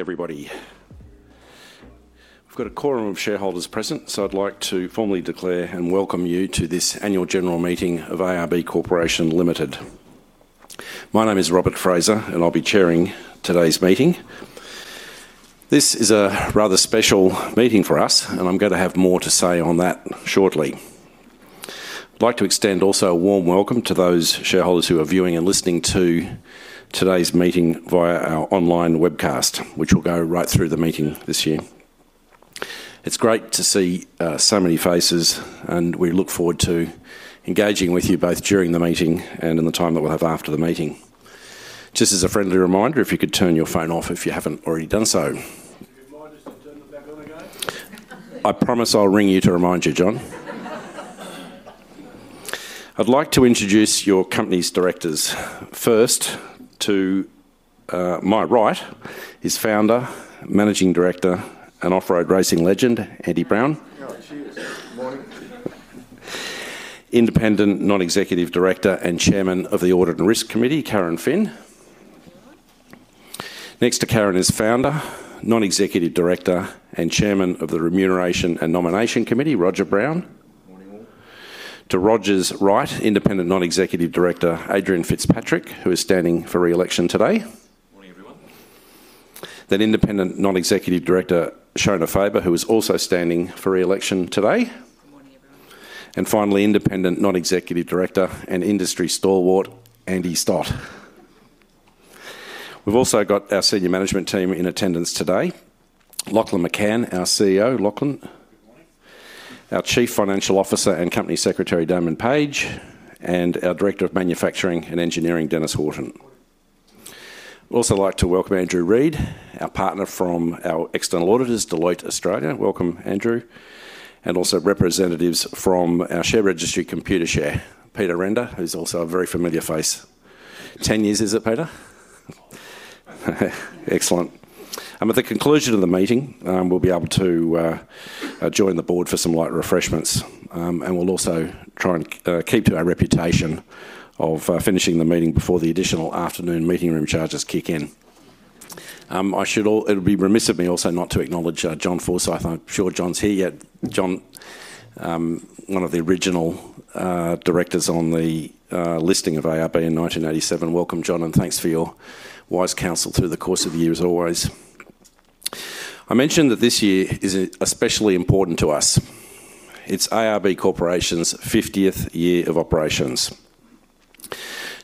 Everybody, we've got a quorum of shareholders present, so I'd like to formally declare and welcome you to this annual general meeting of ARB Corporation Limited. My name is Robert Fraser, and I'll be chairing today's meeting. This is a rather special meeting for us, and I'm going to have more to say on that shortly. I'd like to extend also a warm welcome to those shareholders who are viewing and listening to today's meeting via our online webcast, which will go right through the meeting this year. It's great to see so many faces, and we look forward to engaging with you both during the meeting and in the time that we'll have after the meeting. Just as a friendly reminder, if you could turn your phone off if you haven't already done so. I promise I'll ring you to remind you, John. I'd like to introduce your company's directors. First, to my right is Founder, Managing Director, and off-road racing legend, Andy Brown. Independent Non-Executive Director and Chairman of the Audit and Risk Committee, Karen Phin. Next to Karen is Founder, Non-Executive Director, and Chairman of the Remuneration and Nomination Committee, Roger Brown. To Roger's right, Independent Non-Executive Director, Adrian Fitzpatrick, who is standing for reelection today. Independent Non-Executive Director Shona Faber, who is also standing for reelection today. Finally, Independent Non-Executive Director and industry stalwart, Andy Stott. We've also got our senior management team in attendance today: Lachlan McCann, our CEO, Lachlan. Our Chief Financial Officer and Company Secretary, Damon Page, and our Director of Manufacturing and Engineering, Dennis Horton. We'd also like to welcome Andrew Reid, our partner from our external auditors, Deloitte Australia. Welcome, Andrew. Also, representatives from our share registry, ComputerShare. Peter Render, who's also a very familiar face. 10 years, is it, Peter? Excellent. At the conclusion of the meeting, we'll be able to join the board for some light refreshments. We'll also try and keep to our reputation of finishing the meeting before the additional afternoon meeting room charges kick in. It would be remiss of me also not to acknowledge John Forsyth. I'm not sure John's here yet. John, one of the original directors on the listing of ARB in 1987. Welcome, John, and thanks for your wise counsel through the course of the years, always. I mentioned that this year is especially important to us. It's ARB Corporation's 50th year of operations.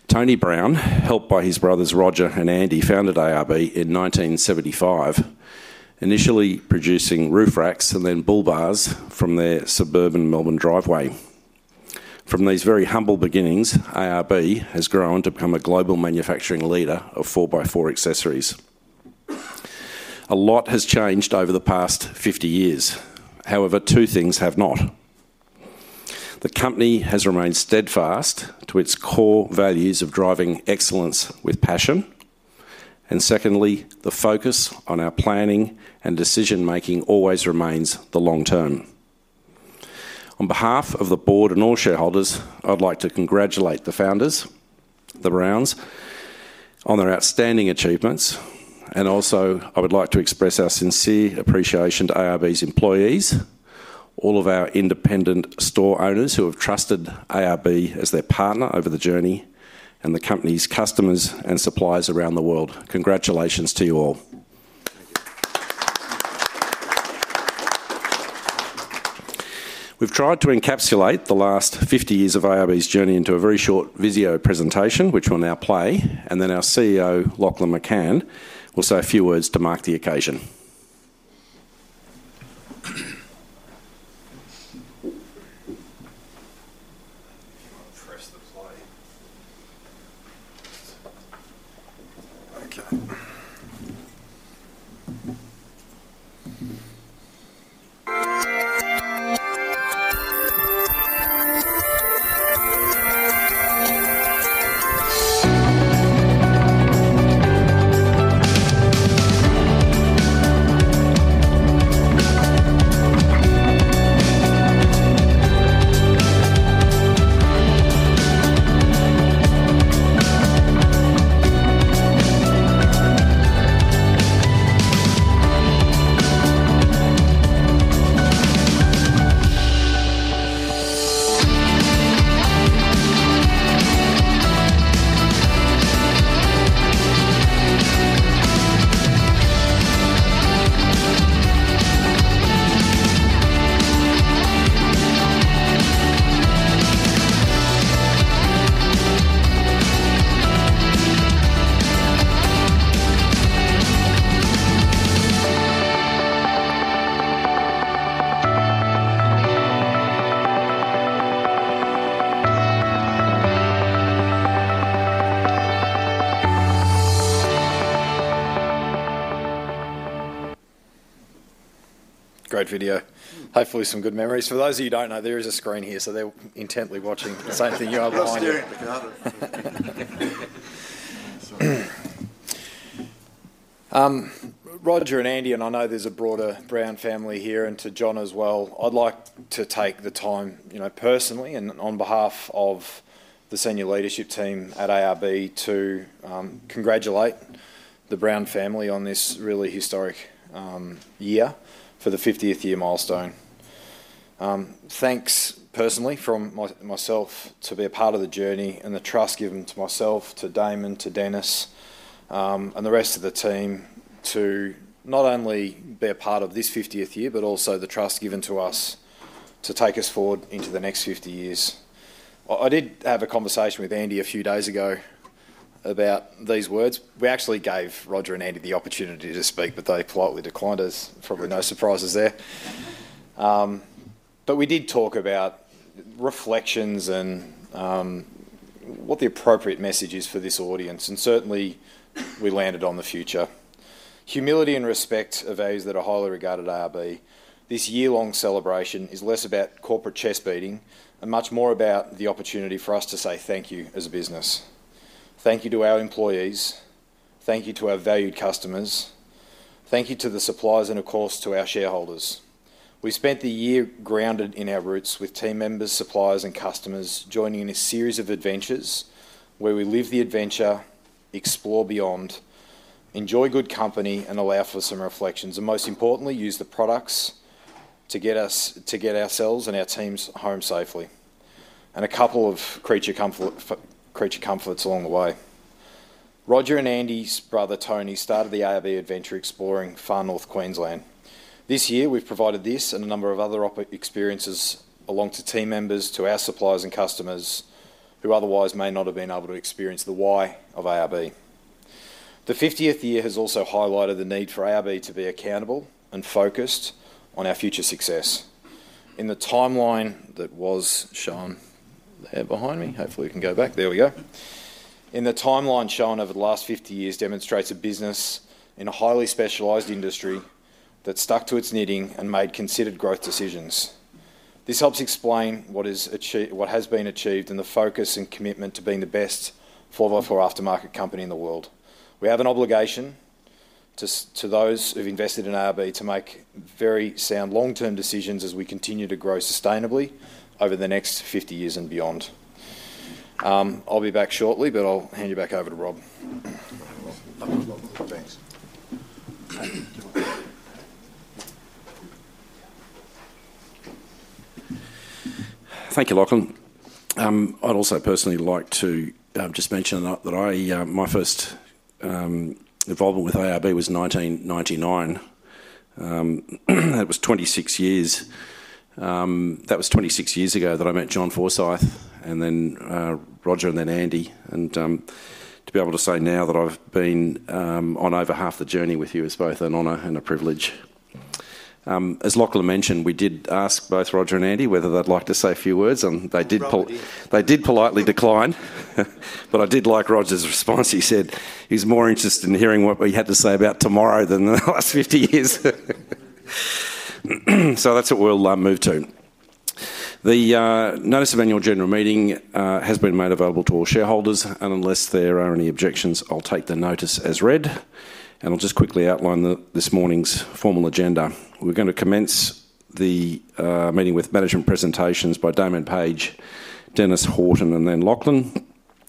Tony Brown, helped by his brothers Roger and Andy, founded ARB in 1975, initially producing roof racks and then bull bars from their suburban Melbourne driveway. From these very humble beginnings, ARB has grown to become a global manufacturing leader of 4x4 accessories. A lot has changed over the past 50 years. However, two things have not. The company has remained steadfast to its core values of driving excellence with passion. Secondly, the focus on our planning and decision-making always remains the long term. On behalf of the board and all shareholders, I'd like to congratulate the founders, the Browns, on their outstanding achievements. I would also like to express our sincere appreciation to ARB's employees, all of our independent store owners who have trusted ARB as their partner over the journey, and the company's customers and suppliers around the world. Congratulations to you all. We've tried to encapsulate the last 50 years of ARB's journey into a very short video presentation, which we'll now play. Our CEO, Lachlan McCann, will say a few words to mark the occasion. Great video. Hopefully, some good memories. For those of you who don't know, there is a screen here, so they're intently watching the same thing you are behind there. Roger and Andy, and I know there's a broader Brown family here, and to John as well, I'd like to take the time, personally and on behalf of the Senior Leadership Team at ARB, to congratulate the Brown family on this really historic year for the 50th year milestone. Thanks personally from myself to be a part of the journey and the trust given to myself, to Damon, to Dennis, and the rest of the team to not only be a part of this 50th year, but also the trust given to us to take us forward into the next 50 years. I did have a conversation with Andy a few days ago about these words. We actually gave Roger and Andy the opportunity to speak, but they politely declined us. Probably no surprises there. We did talk about reflections and what the appropriate message is for this audience. Certainly, we landed on the future. Humility and respect are values that are highly regarded at ARB. This year-long celebration is less about corporate chest-beating and much more about the opportunity for us to say thank you as a business. Thank you to our employees. Thank you to our valued customers. Thank you to the suppliers, and of course, to our shareholders. We spent the year grounded in our roots with team members, suppliers, and customers, joining in a series of adventures where we live the adventure, explore beyond, enjoy good company, and allow for some reflections. Most importantly, use the products to get ourselves and our teams home safely, and a couple of creature comforts along the way. Roger and Andy's brother, Tony, started the ARB adventure exploring far north Queensland. This year, we've provided this and a number of other experiences along to team members, to our suppliers and customers who otherwise may not have been able to experience the why of ARB. The 50th year has also highlighted the need for ARB to be accountable and focused on our future success. In the timeline that was shown there behind me, hopefully, you can go back. There we go. In the timeline shown over the last 50 years, it demonstrates a business in a highly specialized industry that stuck to its knitting and made considered growth decisions. This helps explain what has been achieved and the focus and commitment to being the best 4x4 aftermarket company in the world. We have an obligation to those who've invested in ARB to make very sound long-term decisions as we continue to grow sustainably over the next 50 years and beyond. I'll be back shortly, but I'll hand you back over to Rob. Thanks. Thank you, Lachlan. I'd also personally like to just mention that my first involvement with ARB was 1999. That was 26 years. That was 26 years ago that I met John Forsyth and then Roger and then Andy. To be able to say now that I've been on over half the journey with you is both an honor and a privilege. As Lachlan mentioned, we did ask both Roger and Andy whether they'd like to say a few words, and they did politely decline. I did like Roger's response. He said he's more interested in hearing what we had to say about tomorrow than the last 50 years. That's what we'll move to. The notice of annual general meeting has been made available to all shareholders. Unless there are any objections, I'll take the notice as read. I'll just quickly outline this morning's formal agenda. We're going to commence the meeting with management presentations by Damon Page, Dennis Horton, and then Lachlan.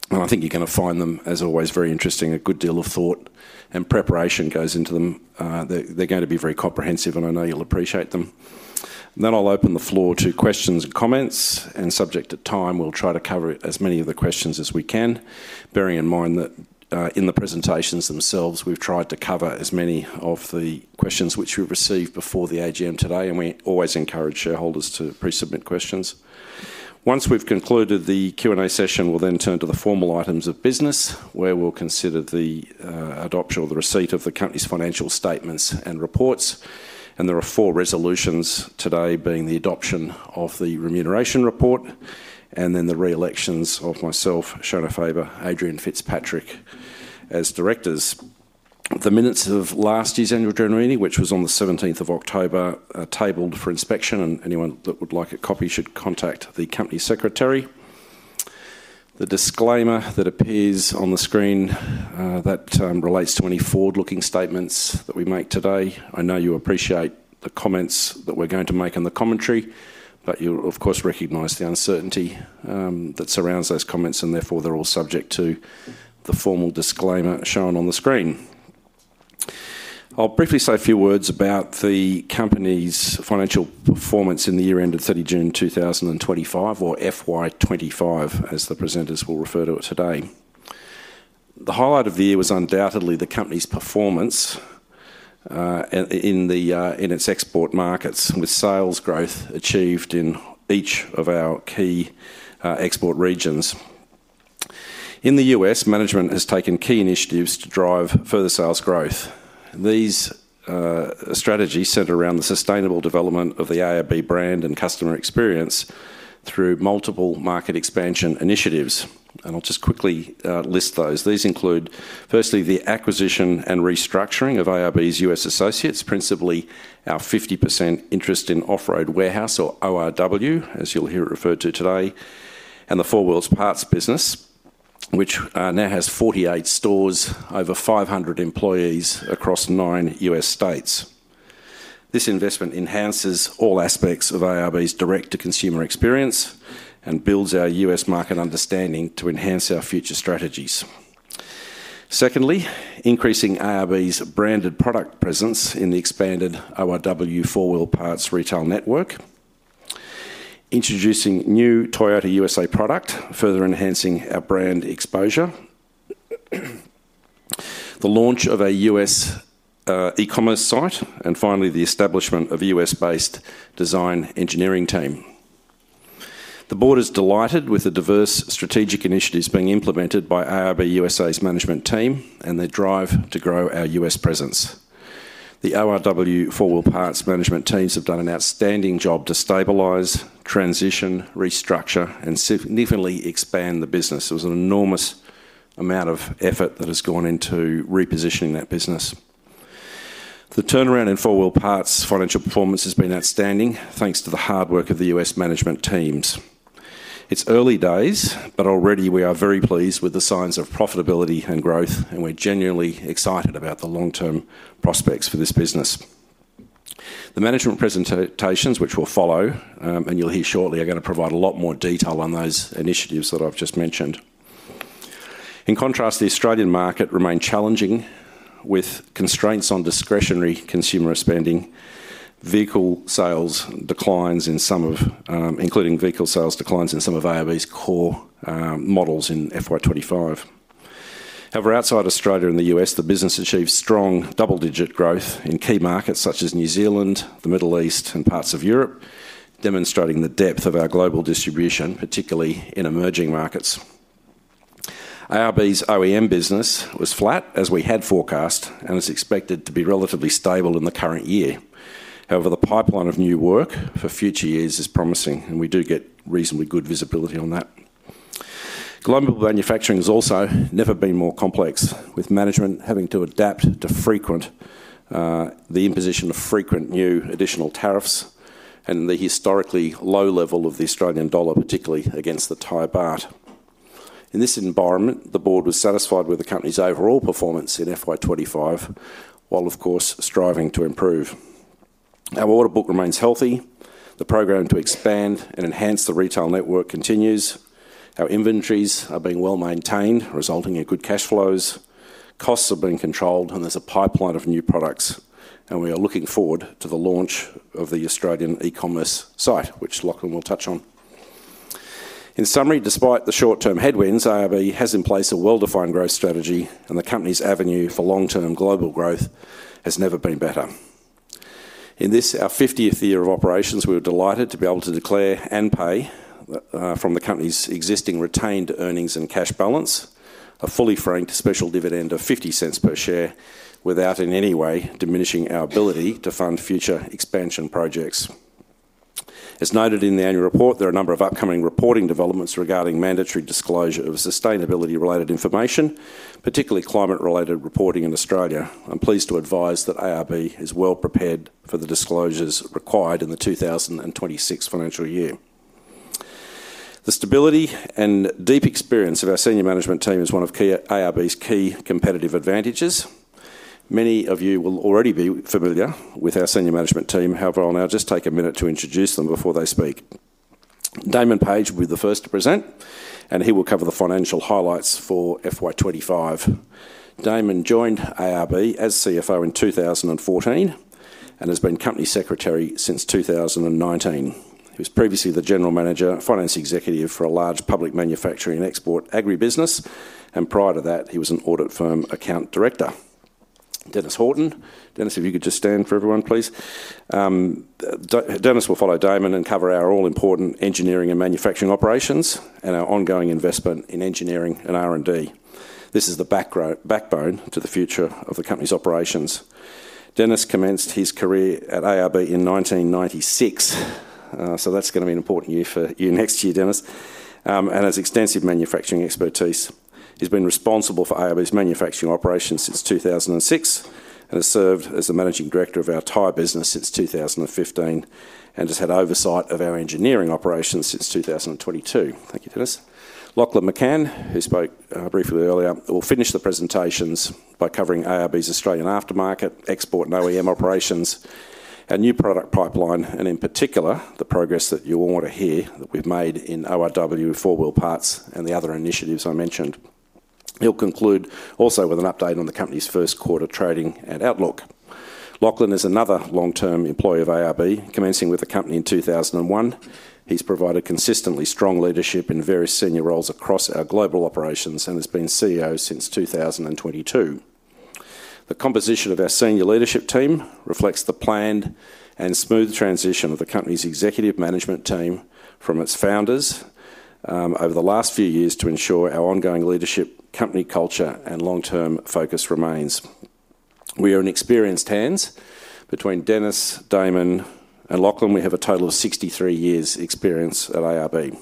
I think you're going to find them, as always, very interesting. A good deal of thought and preparation goes into them. They're going to be very comprehensive, and I know you'll appreciate them. I'll open the floor to questions and comments. Subject to time, we'll try to cover as many of the questions as we can, bearing in mind that in the presentations themselves, we've tried to cover as many of the questions which were received before the AGM today. We always encourage shareholders to pre-submit questions. Once we've concluded the Q&A session, we'll then turn to the formal items of business, where we'll consider the adoption or the receipt of the company's financial statements and reports. There are four resolutions today, being the adoption of the remuneration report and then the reelections of myself, Shona Faber, Adrian Fitzpatrick as directors. The minutes of last year's annual general meeting, which was on the 17th of October, are tabled for inspection. Anyone that would like a copy should contact the Company Secretary. The disclaimer that appears on the screen relates to any forward-looking statements that we make today. I know you appreciate the comments that we're going to make in the commentary, but you'll, of course, recognize the uncertainty that surrounds those comments. Therefore, they're all subject to the formal disclaimer shown on the screen. I'll briefly say a few words about the company's financial performance in the year ended 30 June 2025, or FY 2025 as the presenters will refer to it today. The highlight of the year was undoubtedly the company's performance in its export markets, with sales growth achieved in each of our key export regions. In the U.S., management has taken key initiatives to drive further sales growth. These strategies center around the sustainable development of the ARB brand and customer experience through multiple market expansion initiatives. I'll just quickly list those. These include, firstly, the acquisition and restructuring of ARB's U.S. associates, principally our 50% interest in Off Road Warehouse, or ORW, as you'll hear it referred to today, and the 4 Wheel Parts business, which now has 48 stores and over 500 employees across nine U.S. states. This investment enhances all aspects of ARB's direct-to-consumer experience and builds our U.S. market understanding to enhance our future strategies. Secondly, increasing ARB's branded product presence in the expanded ORW 4 Wheel Parts retail network, introducing new Toyota U.S.A. product, further enhancing our brand exposure, the launch of a U.S. e-commerce site, and finally, the establishment of a U.S.-based design engineering team. The board is delighted with the diverse strategic initiatives being implemented by ARB U.S.A.'s management team and their drive to grow our U.S. presence. The ORW 4 Wheel Parts management teams have done an outstanding job to stabilize, transition, restructure, and significantly expand the business. There was an enormous amount of effort that has gone into repositioning that business. The turnaround in 4 Wheel Parts' financial performance has been outstanding, thanks to the hard work of the U.S. management teams. It's early days, but already we are very pleased with the signs of profitability and growth, and we're genuinely excited about the long-term prospects for this business. The management presentations which will follow, and you'll hear shortly, are going to provide a lot more detail on those initiatives that I've just mentioned. In contrast, the Australian market remained challenging with constraints on discretionary consumer spending, including vehicle sales declines in some of ARB's core models in FY 2025. However, outside Australia and the U.S., the business achieved strong double-digit growth in key markets such as New Zealand, the Middle East, and parts of Europe, demonstrating the depth of our global distribution, particularly in emerging markets. ARB's OEM business was flat, as we had forecast, and it's expected to be relatively stable in the current year. However, the pipeline of new work for future years is promising, and we do get reasonably good visibility on that. Global manufacturing has also never been more complex, with management having to adapt to the imposition of frequent new additional tariffs and the historically low level of the Australian dollar, particularly against the Thai baht. In this environment, the board was satisfied with the company's overall performance in FY 2025, while, of course, striving to improve. Our order book remains healthy. The program to expand and enhance the retail network continues. Our inventories are being well maintained, resulting in good cash flows. Costs have been controlled, and there's a pipeline of new products. We are looking forward to the launch of the Australian e-commerce site, which Lachlan will touch on. In summary, despite the short-term headwinds, ARB has in place a well-defined growth strategy, and the company's avenue for long-term global growth has never been better. In this, our 50th year of operations, we were delighted to be able to declare and pay from the company's existing retained earnings and cash balance a fully franked special dividend of 0.50 per share, without in any way diminishing our ability to fund future expansion projects. As noted in the annual report, there are a number of upcoming reporting developments regarding mandatory disclosure of sustainability-related information, particularly climate-related reporting in Australia. I'm pleased to advise that ARB is well prepared for the disclosures required in the 2026 financial year. The stability and deep experience of our senior management team is one of ARB's key competitive advantages. Many of you will already be familiar with our senior management team. However, I'll now just take a minute to introduce them before they speak. Damon Page will be the first to present, and he will cover the financial highlights for FY 2025. Damon joined ARB as CFO in 2014 and has been Company Secretary since 2019. He was previously the General Manager, Finance Executive for a large public manufacturing and export agribusiness, and prior to that, he was an audit firm Account Director. Dennis Horton. Dennis, if you could just stand for everyone, please. Dennis will follow Damon and cover our all-important engineering and manufacturing operations and our ongoing investment in engineering and R&D. This is the backbone to the future of the company's operations. Dennis commenced his career at ARB in 1996, so that's going to be an important year for you next year, Dennis, and has extensive manufacturing expertise. He's been responsible for ARB's manufacturing operations since 2006 and has served as the Managing Director of our Thai business since 2015 and has had oversight of our engineering operations since 2022. Thank you, Dennis. Lachlan McCann, who spoke briefly earlier, will finish the presentations by covering ARB's Australian aftermarket, export, and OEM operations, our new product pipeline, and in particular, the progress that you all want to hear that we've made in ORW, 4 Wheel Parts, and the other initiatives I mentioned. He'll conclude also with an update on the company's first quarter trading and outlook. Lachlan is another long-term employee of ARB, commencing with the company in 2001. He's provided consistently strong leadership in various senior roles across our global operations and has been CEO since 2022. The composition of our senior leadership team reflects the planned and smooth transition of the company's executive management team from its founders over the last few years to ensure our ongoing leadership, company culture, and long-term focus remains. We are in experienced hands. Between Dennis, Damon, and Lachlan, we have a total of 63 years' experience at ARB.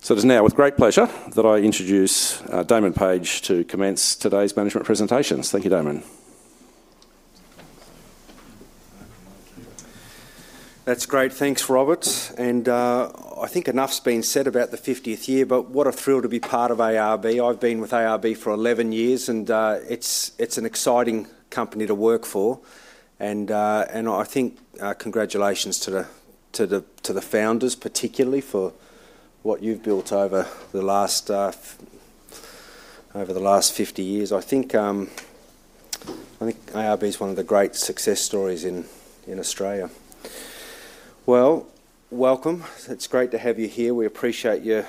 It is now with great pleasure that I introduce Damon Page to commence today's management presentations. Thank you, Damon. That's great. Thanks, Robert. I think enough's been said about the 50th year, but what a thrill to be part of ARB. I've been with ARB for 11 years, and it's an exciting company to work for. I think congratulations to the founders, particularly for what you've built over the last 50 years. I think ARB is one of the great success stories in Australia. Welcome. It's great to have you here. We appreciate you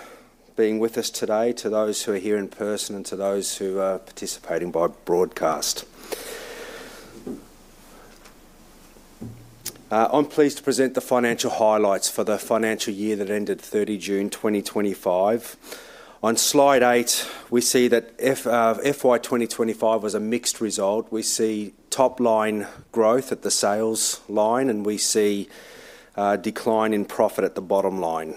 being with us today, to those who are here in person and to those who are participating by broadcast. I'm pleased to present the financial highlights for the financial year that ended 30 June 2025. On slide eight, we see that FY 2025 was a mixed result. We see top-line growth at the sales line, and we see a decline in profit at the bottom line.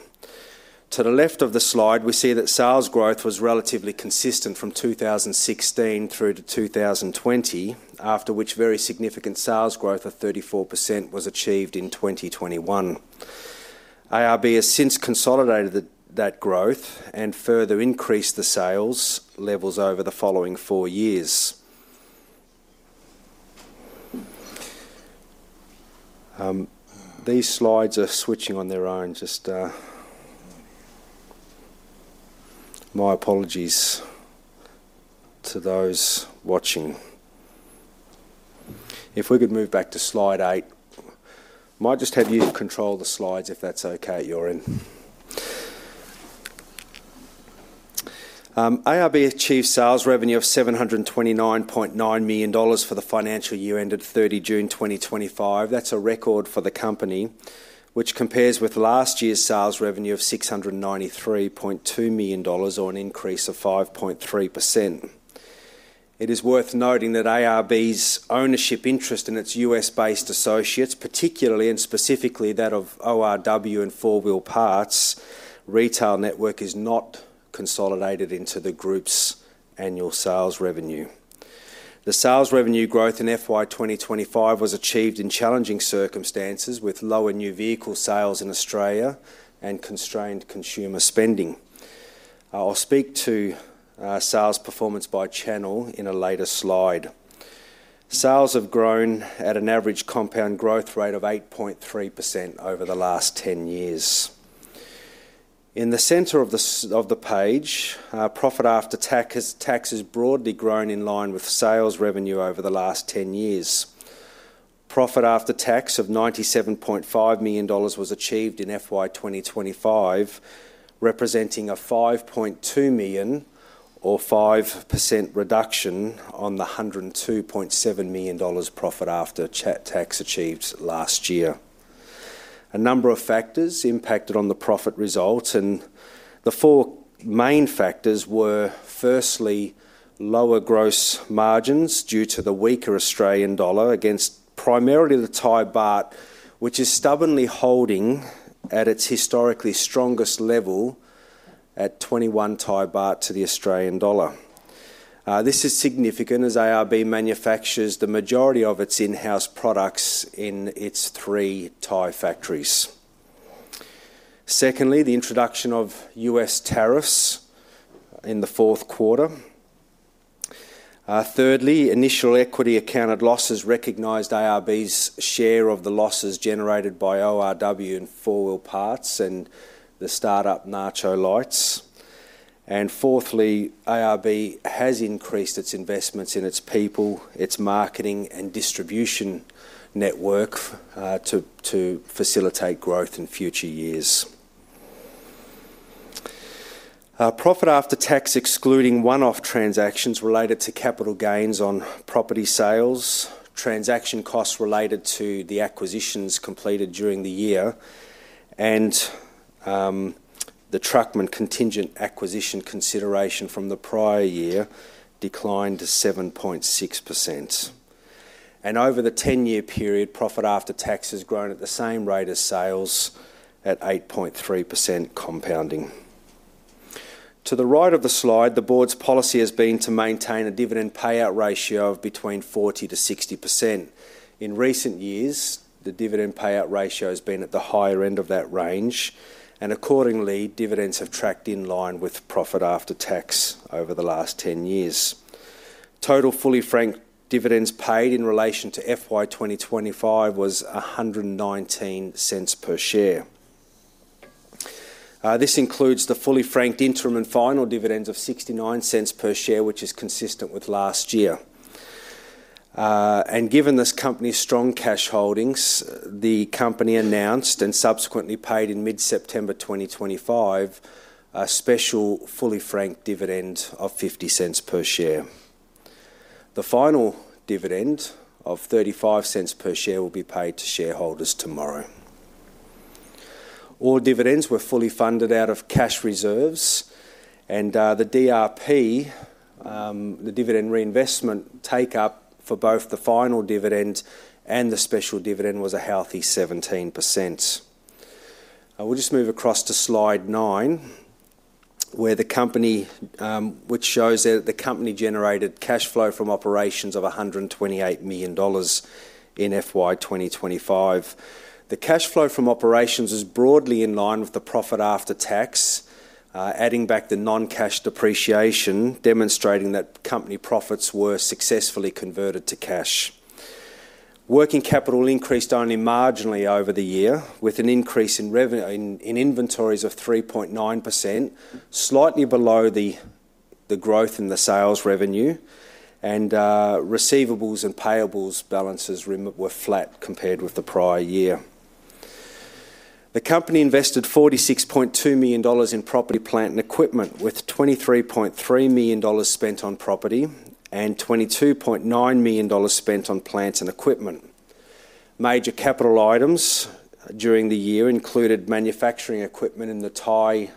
To the left of the slide, we see that sales growth was relatively consistent from 2016 through to 2020, after which very significant sales growth of 34% was achieved in 2021. ARB has since consolidated that growth and further increased the sales levels over the following four years. These slides are switching on their own. My apologies to those watching. If we could move back to slide eight. I might just have you control the slides if that's okay at your end. ARB achieved sales revenue of 729.9 million dollars for the financial year ended 30 June 2025. That's a record for the company, which compares with last year's sales revenue of 693.2 million dollars, or an increase of 5.3%. It is worth noting that ARB's ownership interest in its U.S.-based associates, particularly and specifically that of ORW and 4 Wheel Parts retail network, is not consolidated into the group's annual sales revenue. The sales revenue growth in FY 2025 was achieved in challenging circumstances, with lower new vehicle sales in Australia and constrained consumer spending. I'll speak to sales performance by channel in a later slide. Sales have grown at an average compound growth rate of 8.3% over the last 10 years. In the center of the page, profit after tax has broadly grown in line with sales revenue over the last 10 years. Profit after tax of AUD 97.5 million was achieved in FY 2025, representing a AUD 5.2 million or 5% reduction on the AUD 102.7 million profit after tax achieved last year. A number of factors impacted on the profit result, and the four main factors were, firstly, lower gross margins due to the weaker Australian dollar against primarily the Thai baht, which is stubbornly holding at its historically strongest level at 21 Thai baht to the Australian dollar. This is significant as ARB manufactures the majority of its in-house products in its three Thai factories. Secondly, the introduction of U.S. tariffs in the fourth quarter. Thirdly, initial equity accounted losses recognized ARB's share of the losses generated by ORW and 4 Wheel Parts and the startup Nacho Lights. Fourthly, ARB has increased its investments in its people, its marketing, and distribution network to facilitate growth in future years. Profit after tax excluding one-off transactions related to capital gains on property sales, transaction costs related to the acquisitions completed during the year, and the Truckman contingent acquisition consideration from the prior year declined to 7.6%. Over the 10-year period, profit after tax has grown at the same rate as sales at 8.3% compounding. To the right of the slide, the board's policy has been to maintain a dividend payout ratio of between 40%-60%. In recent years, the dividend payout ratio has been at the higher end of that range. Accordingly, dividends have tracked in line with profit after tax over the last 10 years. Total fully franked dividends paid in relation to FY 2025 was 1.19 per share. This includes the fully franked interim and final dividends of 0.69 per share, which is consistent with last year. Given this company's strong cash holdings, the company announced and subsequently paid in mid-September 2025 a special fully franked dividend of 0.50 per share. The final dividend of 0.35 per share will be paid to shareholders tomorrow. All dividends were fully funded out of cash reserves. The DRP, the dividend reinvestment take-up for both the final dividend and the special dividend, was a healthy 17%. We'll just move across to slide nine, which shows that the company generated cash flow from operations of 128 million dollars in FY 2025. The cash flow from operations is broadly in line with the profit after tax, adding back the non-cash depreciation, demonstrating that company profits were successfully converted to cash. Working capital increased only marginally over the year, with an increase in inventories of 3.9%, slightly below the growth in the sales revenue. Receivables and payables balances were flat compared with the prior year. The company invested 46.2 million dollars in property, plant, and equipment, with 23.3 million dollars spent on property and 22.9 million dollars spent on plant and equipment. Major capital items during the year included manufacturing equipment in the Thai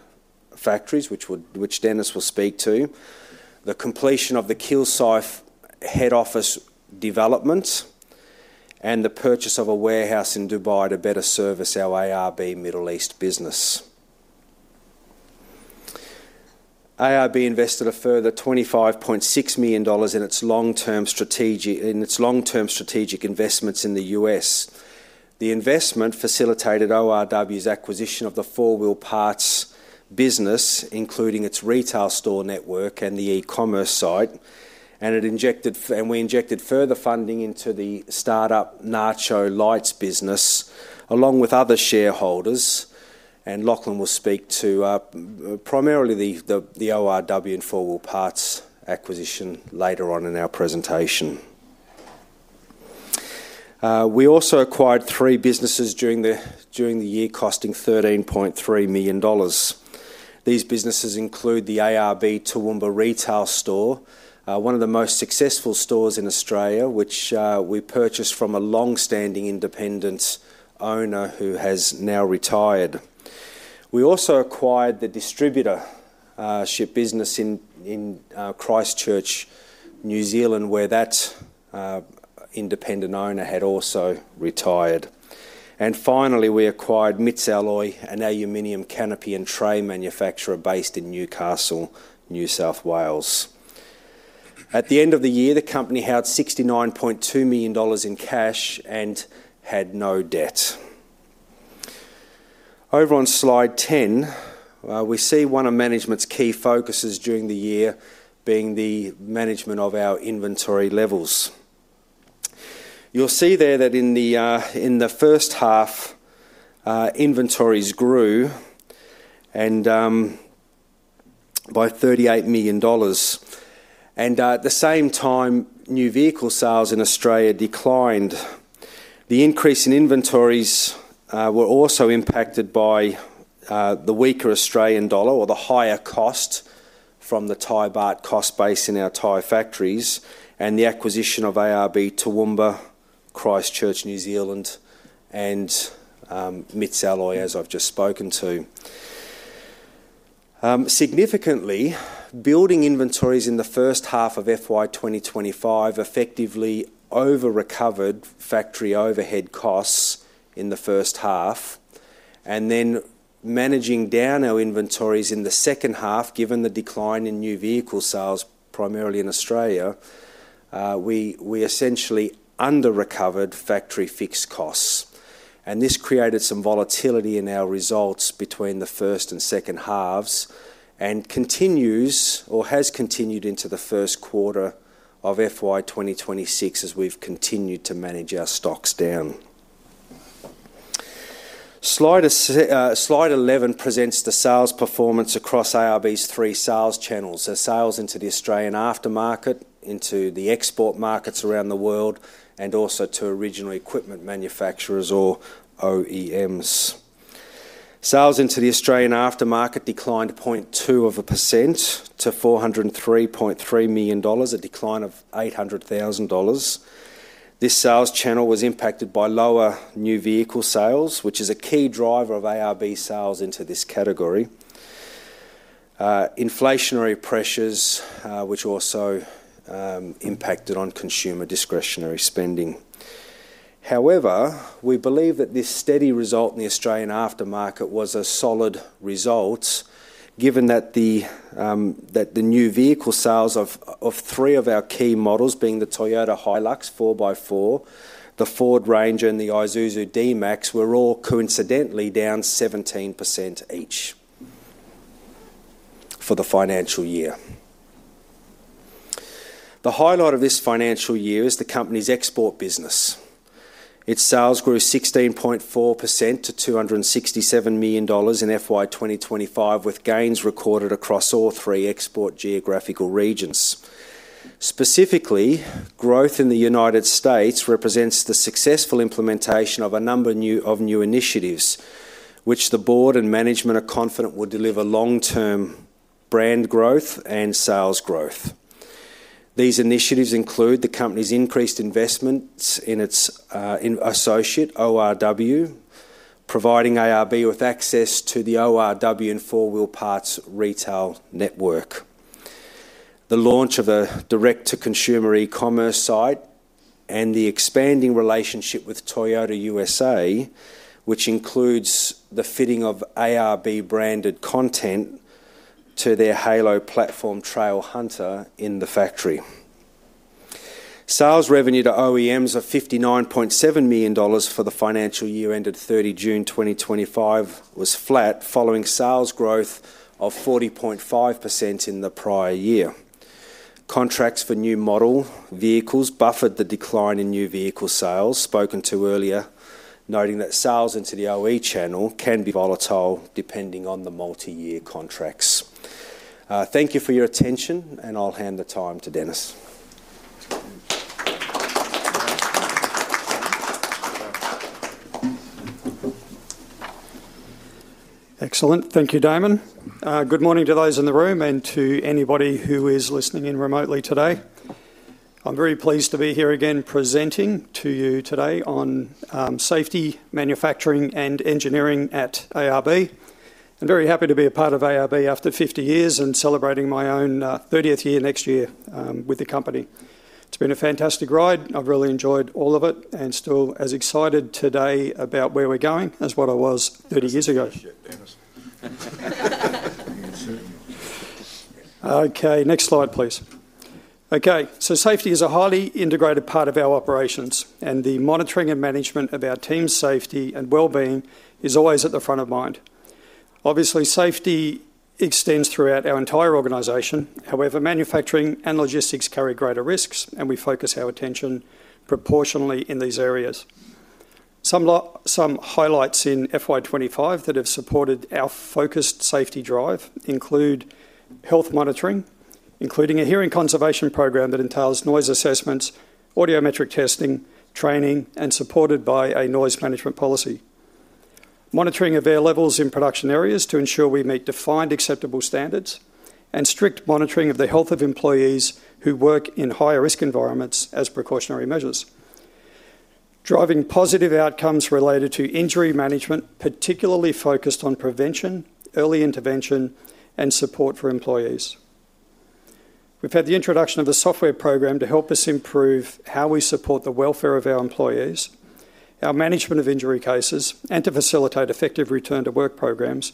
factories, which Dennis will speak to, the completion of the Kilsyth head office development, and the purchase of a warehouse in Dubai to better service our ARB Middle East business. ARB invested a further 25.6 million dollars in its long-term strategic investments in the U.S. The investment facilitated ORW's acquisition of the 4 Wheel Parts business, including its retail store network and the e-commerce site. We injected further funding into the startup Nacho Lights business, along with other shareholders. Lachlan will speak to primarily the ORW and 4 Wheel Parts acquisition later on in our presentation. We also acquired three businesses during the year, costing 13.3 million dollars. These businesses include the ARB Toowoomba retail store, one of the most successful stores in Australia, which we purchased from a longstanding independent owner who has now retired. We also acquired the distributorship business in Christchurch, New Zealand, where that independent owner had also retired. Finally, we acquired Mits Alloy, an aluminum canopy and tray manufacturer based in Newcastle, New South Wales. At the end of the year, the company held 69.2 million dollars in cash and had no debt. Over on slide 10, we see one of management's key focuses during the year being the management of our inventory levels. You'll see there that in the first half, inventories grew by 38 million dollars. At the same time, new vehicle sales in Australia declined. The increase in inventories was also impacted by the weaker Australian dollar or the higher cost from the Thai baht cost base in our Thai factories and the acquisition of ARB Toowoomba, Christchurch, New Zealand, and Mits Alloy, as I've just spoken to. Significantly, building inventories in the first half of FY 2025 effectively over-recovered factory overhead costs in the first half. Managing down our inventories in the second half, given the decline in new vehicle sales, primarily in Australia, we essentially under-recovered factory fixed costs. This created some volatility in our results between the first and second halves and continues or has continued into the first quarter of FY 2026 as we've continued to manage our stocks down. Slide 11 presents the sales performance across ARB's three sales channels: sales into the Australian aftermarket, into the export markets around the world, and also to original equipment manufacturers or OEMs. Sales into the Australian aftermarket declined 0.2% to 403.3 million dollars, a decline of 800,000 dollars. This sales channel was impacted by lower new vehicle sales, which is a key driver of ARB sales into this category, and inflationary pressures, which also impacted on consumer discretionary spending. However, we believe that this steady result in the Australian aftermarket was a solid result, given that the new vehicle sales of three of our key models, being the Toyota Hilux 4x4, the Ford Ranger, and the Isuzu D-Max, were all coincidentally down 17% each for the financial year. The highlight of this financial year is the company's export business. Its sales grew 16.4% to 267 million dollars in FY 2025, with gains recorded across all three export geographical regions. Specifically, growth in the United States represents the successful implementation of a number of new initiatives, which the board and management are confident will deliver long-term brand growth and sales growth. These initiatives include the company's increased investments in its associate, ORW, providing ARB with access to the ORW and 4 Wheel Parts retail network, the launch of a direct-to-consumer e-commerce site, and the expanding relationship with Toyota USA, which includes the fitting of ARB-branded content to their Halo platform, Trailhunter, in the factory. Sales revenue to OEMs of AUD 59.7 million for the financial year ended 30 June 2025 was flat, following sales growth of 40.5% in the prior year. Contracts for new model vehicles buffered the decline in new vehicle sales, spoken to earlier, noting that sales into the OE channel can be volatile depending on the multi-year contracts. Thank you for your attention, and I'll hand the time to Dennis. Excellent. Thank you, Damon. Good morning to those in the room and to anybody who is listening in remotely today. I'm very pleased to be here again presenting to you today on safety, manufacturing, and engineering at ARB. I'm very happy to be a part of ARB after 50 years and celebrating my own 30th year next year with the company. It's been a fantastic ride. I've really enjoyed all of it and still as excited today about where we're going as what I was 30 years ago. Next slide, please. Safety is a highly integrated part of our operations, and the monitoring and management of our team's safety and well-being is always at the front of mind. Obviously, safety extends throughout our entire organization. However, manufacturing and logistics carry greater risks, and we focus our attention proportionately in these areas. Some highlights in FY 2025 that have supported our focused safety drive include health monitoring, including a hearing conservation program that entails noise assessments, audiometric testing, training, and supported by a noise management policy, monitoring of air levels in production areas to ensure we meet defined acceptable standards, and strict monitoring of the health of employees who work in high-risk environments as precautionary measures, driving positive outcomes related to injury management, particularly focused on prevention, early intervention, and support for employees. We've had the introduction of a software program to help us improve how we support the welfare of our employees, our management of injury cases, and to facilitate effective return-to-work programs,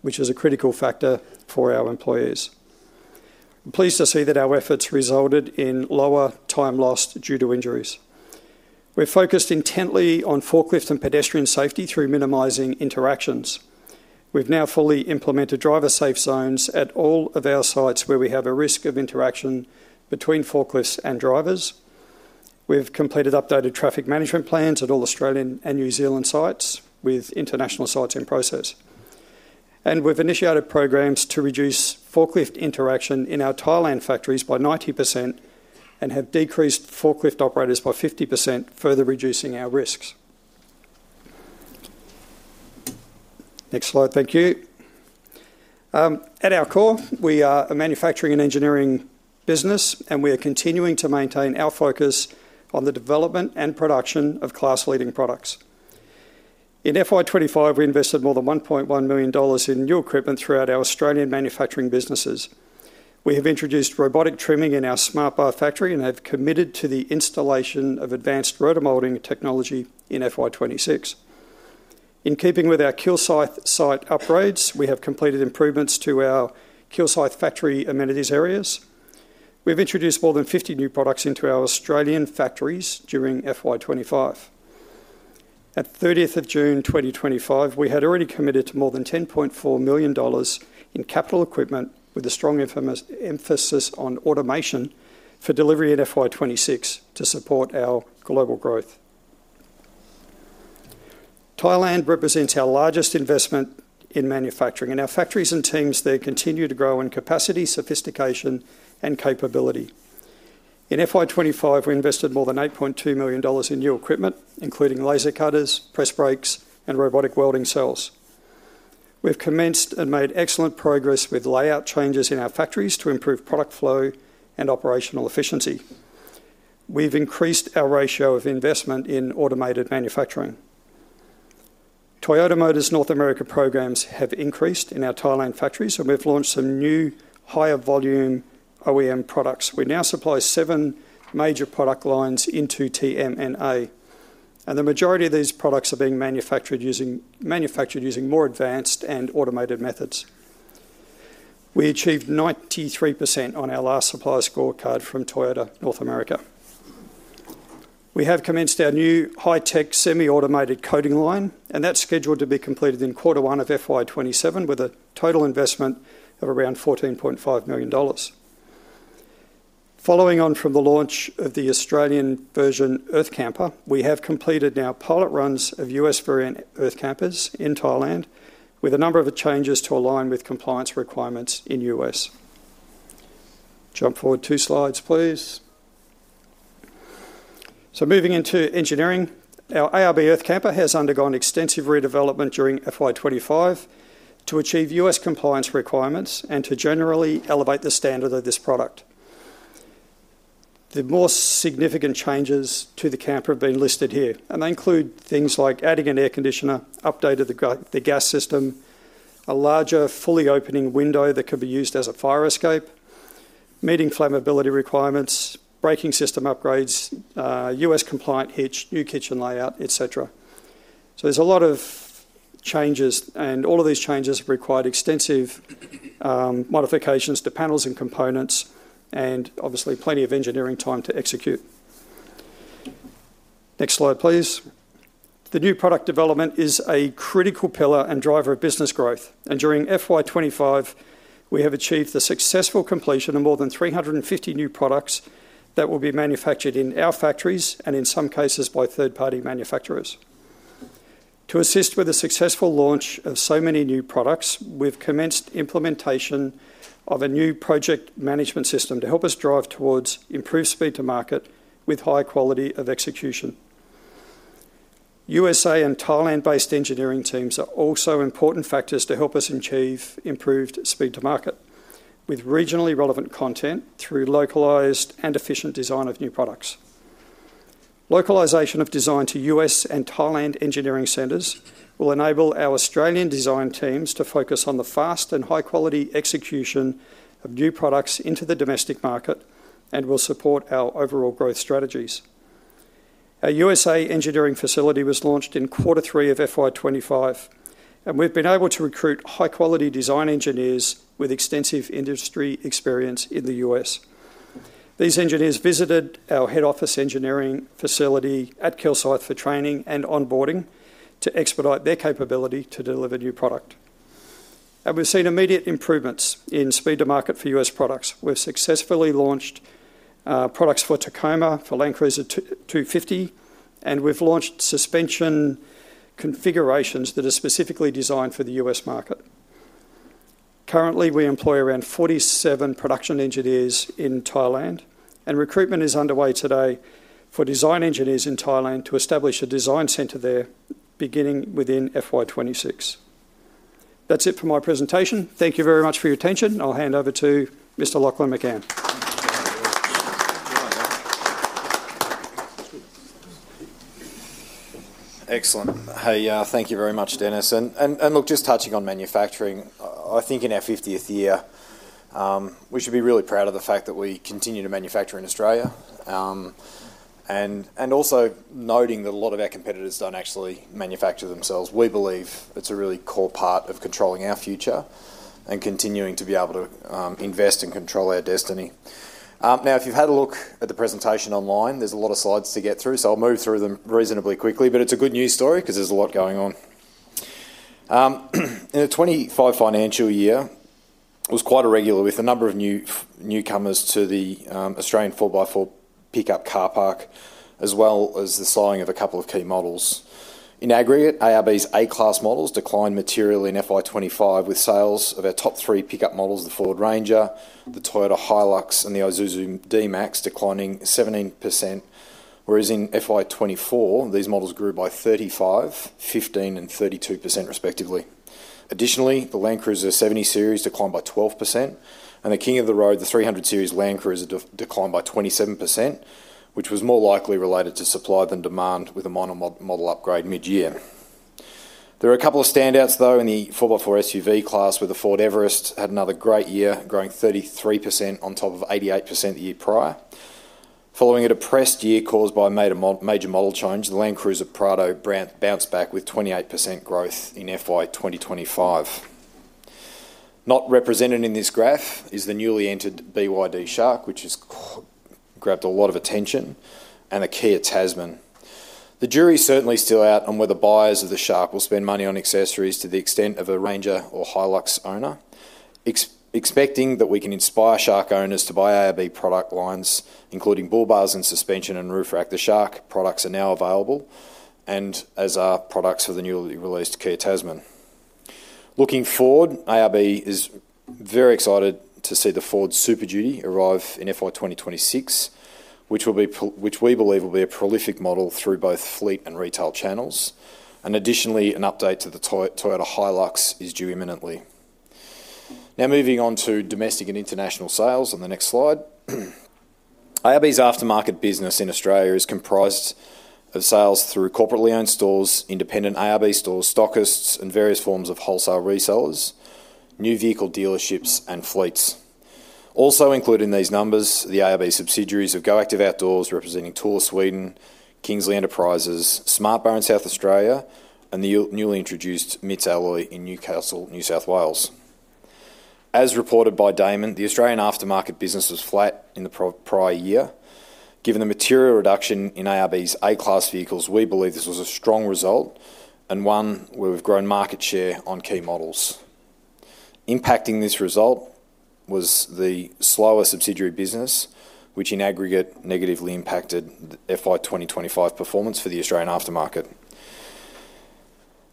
which is a critical factor for our employees. I'm pleased to see that our efforts resulted in lower time lost due to injuries. We're focused intently on forklift and pedestrian safety through minimizing interactions. We've now fully implemented driver-safe zones at all of our sites where we have a risk of interaction between forklifts and drivers. We've completed updated traffic management plans at all Australian and New Zealand sites, with international sites in process. We've initiated programs to reduce forklift interaction in our Thailand factories by 90% and have decreased forklift operators by 50%, further reducing our risks. Next slide, thank you. At our core, we are a manufacturing and engineering business, and we are continuing to maintain our focus on the development and production of class-leading products. In FY 2025, we invested more than 1.1 million dollars in new equipment throughout our Australian manufacturing businesses. We have introduced robotic trimming in our SmartBar factory and have committed to the installation of advanced rotor molding technology in FY 2026. In keeping with our Kilsyth site upgrades, we have completed improvements to our Kilsyth factory amenities areas. We've introduced more than 50 new products into our Australian factories during FY 2025. At June 30, 2025, we had already committed to more than 10.4 million dollars in capital equipment, with a strong emphasis on automation for delivery in FY 2026 to support our global growth. Thailand represents our largest investment in manufacturing, and our factories and teams there continue to grow in capacity, sophistication, and capability. In FY 2025, we invested more than 8.2 million dollars in new equipment, including laser cutters, press brakes, and robotic welding cells. We've commenced and made excellent progress with layout changes in our factories to improve product flow and operational efficiency. We've increased our ratio of investment in automated manufacturing. Toyota Motors North America programs have increased in our Thailand factories, and we've launched some new higher volume OEM products. We now supply seven major product lines into TMNA, and the majority of these products are being manufactured using more advanced and automated methods. We achieved 93% on our last supply scorecard from Toyota North America. We have commenced our new high-tech semi-automated coating line, and that's scheduled to be completed in quarter one of FY 2027, with a total investment of around 14.5 million dollars. Following on from the launch of the Australian version Earth Camper, we have completed now pilot runs of U.S. variant Earth Campers in Thailand, with a number of changes to align with compliance requirements in the U.S. Jump forward two slides, please. Moving into engineering, our ARB Earth Camper has undergone extensive redevelopment during FY 2025 to achieve U.S. compliance requirements and to generally elevate the standard of this product. The more significant changes to the camper have been listed here, and they include things like adding an air conditioner, updating the gas system, a larger fully opening window that could be used as a fire escape, meeting flammability requirements, braking system upgrades, U.S. compliant hitch, new kitchen layout, etc. There are a lot of changes, and all of these changes have required extensive modifications to panels and components, and obviously plenty of engineering time to execute. Next slide, please. The new product development is a critical pillar and driver of business growth. During FY 2025, we have achieved the successful completion of more than 350 new products that will be manufactured in our factories, and in some cases by third-party manufacturers. To assist with the successful launch of so many new products, we've commenced implementation of a new project management system to help us drive towards improved speed to market with high quality of execution. USA and Thailand-based engineering teams are also important factors to help us achieve improved speed to market with regionally relevant content through localized and efficient design of new products. Localization of design to U.S. and Thailand engineering centers will enable our Australian design teams to focus on the fast and high-quality execution of new products into the domestic market and will support our overall growth strategies. Our U.S. engineering facility was launched in quarter three of FY 2025, and we've been able to recruit high-quality design engineers with extensive industry experience in the U.S. These engineers visited our head office engineering facility at Kilsyth for training and onboarding to expedite their capability to deliver a new product. We've seen immediate improvements in speed to market for U.S. products. We've successfully launched products for Tacoma, for Land Cruiser 250, and we've launched suspension configurations that are specifically designed for the U.S. market. Currently, we employ around 47 production engineers in Thailand, and recruitment is underway today for design engineers in Thailand to establish a design center there, beginning within FY 2026. That's it for my presentation. Thank you very much for your attention. I'll hand over to Mr. Lachlan McCann. Excellent. Hey, thank you very much, Dennis. Just touching on manufacturing, I think in our 50th year, we should be really proud of the fact that we continue to manufacture in Australia. Also noting that a lot of our competitors don't actually manufacture themselves. We believe it's a really core part of controlling our future and continuing to be able to invest and control our destiny. If you've had a look at the presentation online, there's a lot of slides to get through, so I'll move through them reasonably quickly. It's a good news story because there's a lot going on. In the 2025 financial year, it was quite irregular, with a number of newcomers to the Australian 4x4 pickup car park, as well as the selling of a couple of key models. In aggregate, ARB's A-class models declined materially in FY 2025, with sales of our top three pickup models, the Ford Ranger, the Toyota Hilux, and the Isuzu D-Max declining 17%, whereas in FY 2024, these models grew by 35%, 15%, and 32% respectively. Additionally, the Land Cruiser 70 Series declined by 12%, and the king of the road, the 300 Series Land Cruiser, declined by 27%, which was more likely related to supply than demand with a minor model upgrade mid-year. There are a couple of standouts, though, in the 4x4 SUV class, where the Ford Everest had another great year, growing 33% on top of 88% the year prior. Following an oppressed year caused by a major model change, the Land Cruiser Prado bounced back with 28% growth in FY 2025. Not represented in this graph is the newly entered BYD Shark, which has grabbed a lot of attention, and the Kia Tasman. The jury is certainly still out on whether buyers of the Shark will spend money on accessories to the extent of a Ranger or Hilux owner, expecting that we can inspire Shark owners to buy ARB product lines, including bull bars and suspension and roof rack. The Shark products are now available, as are products for the newly released Kia Tasman. Looking forward, ARB is very excited to see the Ford Super Duty arrive in FY 2026, which we believe will be a prolific model through both fleet and retail channels. Additionally, an update to the Toyota Hilux is due imminently. Now, moving on to domestic and international sales on the next slide. ARB's aftermarket business in Australia is comprised of sales through corporately owned stores, independent ARB stores, stockists, and various forms of wholesale resellers, new vehicle dealerships, and fleets. Also included in these numbers are the ARB subsidiaries of GoActive Outdoors, representing Tooler Sweden, Kingsley Enterprises, SmartBar in South Australia, and the newly introduced MITS Alloy in Newcastle, New South Wales. As reported by Damon, the Australian aftermarket business was flat in the prior year. Given the material reduction in ARB's A-class vehicles, we believe this was a strong result and one where we've grown market share on key models. Impacting this result was the slower subsidiary business, which in aggregate negatively impacted FY 2025 performance for the Australian aftermarket.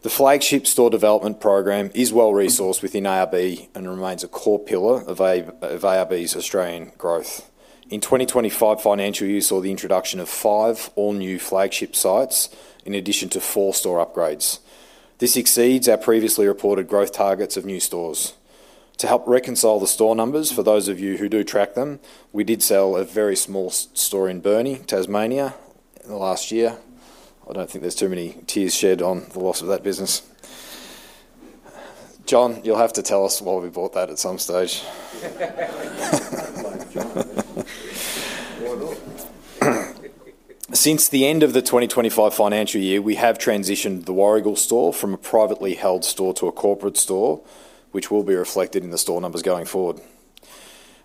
The flagship store development program is well-resourced within ARB and remains a core pillar of ARB's Australian growth. In 2025 financial, you saw the introduction of five all-new flagship sites in addition to four store upgrades. This exceeds our previously reported growth targets of new stores. To help reconcile the store numbers, for those of you who do track them, we did sell a very small store in Burnie, Tasmania, in the last year. I don't think there's too many tears shed on the loss of that business. John, you'll have to tell us why we bought that at some stage. Since the end of the 2025 financial year, we have transitioned the Warrigal store from a privately held store to a corporate store, which will be reflected in the store numbers going forward.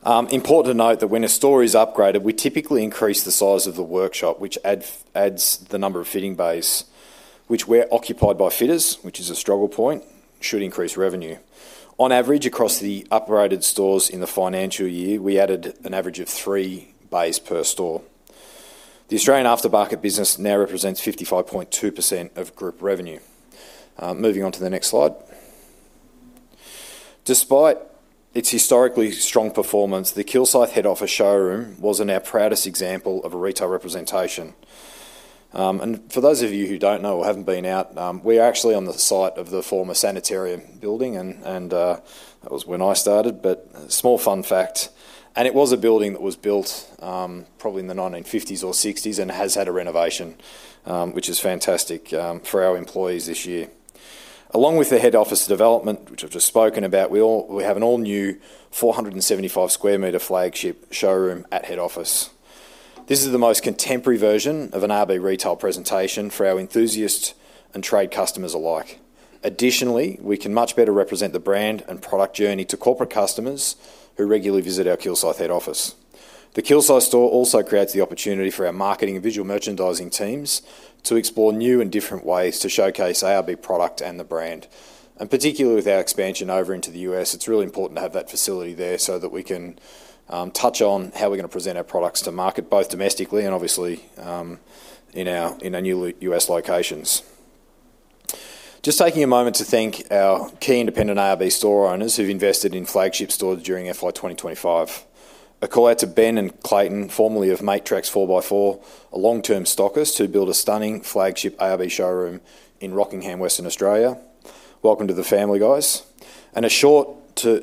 Important to note that when a store is upgraded, we typically increase the size of the workshop, which adds the number of fitting bays, which were occupied by fitters, which is a struggle point, should increase revenue. On average, across the upgraded stores in the financial year, we added an average of three bays per store. The Australian aftermarket business now represents 55.2% of group revenue. Moving on to the next slide. Despite its historically strong performance, the Kilsyth head office showroom wasn't our proudest example of a retail representation. For those of you who don't know or haven't been out, we are actually on the site of the former Sanitarium building, and that was when I started. A small fun fact, it was a building that was built probably in the 1950s or 60s and has had a renovation, which is fantastic for our employees this year. Along with the head office development, which I've just spoken about, we have an all-new 475 square meter flagship showroom at head office. This is the most contemporary version of an ARB retail presentation for our enthusiasts and trade customers alike. Additionally, we can much better represent the brand and product journey to corporate customers who regularly visit our Kilsyth head office. The Kilsyth store also creates the opportunity for our marketing and visual merchandising teams to explore new and different ways to showcase ARB product and the brand. Particularly with our expansion over into the U.S., it's really important to have that facility there so that we can touch on how we're going to present our products to market, both domestically and obviously in our new U.S. locations. Just taking a moment to thank our key independent ARB store owners who've invested in flagship stores during FY 2025. A call out to Ben and Clayton, formerly of Matrix 4x4, a long-term stockist who built a stunning flagship ARB showroom in Rockingham, Western Australia. Welcome to the family, guys. And to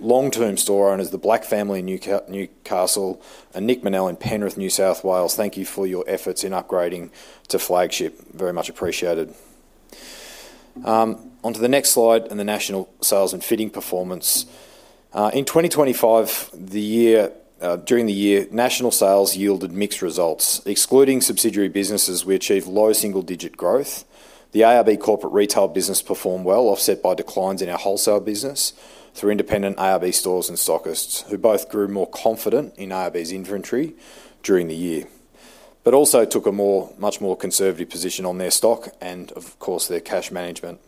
long-term store owners, the Black Family in Newcastle and Nick Mannell in Penrith, New South Wales. Thank you for your efforts in upgrading to flagship. Very much appreciated. Onto the next slide and the national sales and fitting performance. In 2025, during the year, national sales yielded mixed results. Excluding subsidiary businesses, we achieved low single-digit growth. The ARB corporate retail business performed well, offset by declines in our wholesale business through independent ARB stores and stockists, who both grew more confident in ARB's inventory during the year, but also took a much more conservative position on their stock and, of course, their cash management.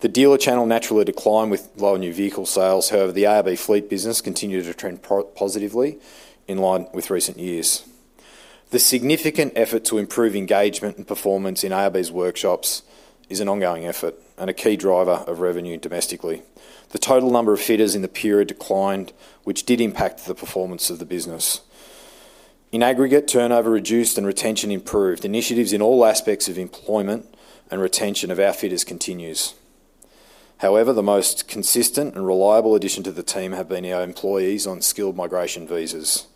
The dealer channel naturally declined with low new vehicle sales. However, the ARB fleet business continued to trend positively in line with recent years. The significant effort to improve engagement and performance in ARB's workshops is an ongoing effort and a key driver of revenue domestically. The total number of fitters in the period declined, which did impact the performance of the business. In aggregate, turnover reduced and retention improved. Initiatives in all aspects of employment and retention of our fitters continue. However, the most consistent and reliable addition to the team have been our employees on skilled migration visas.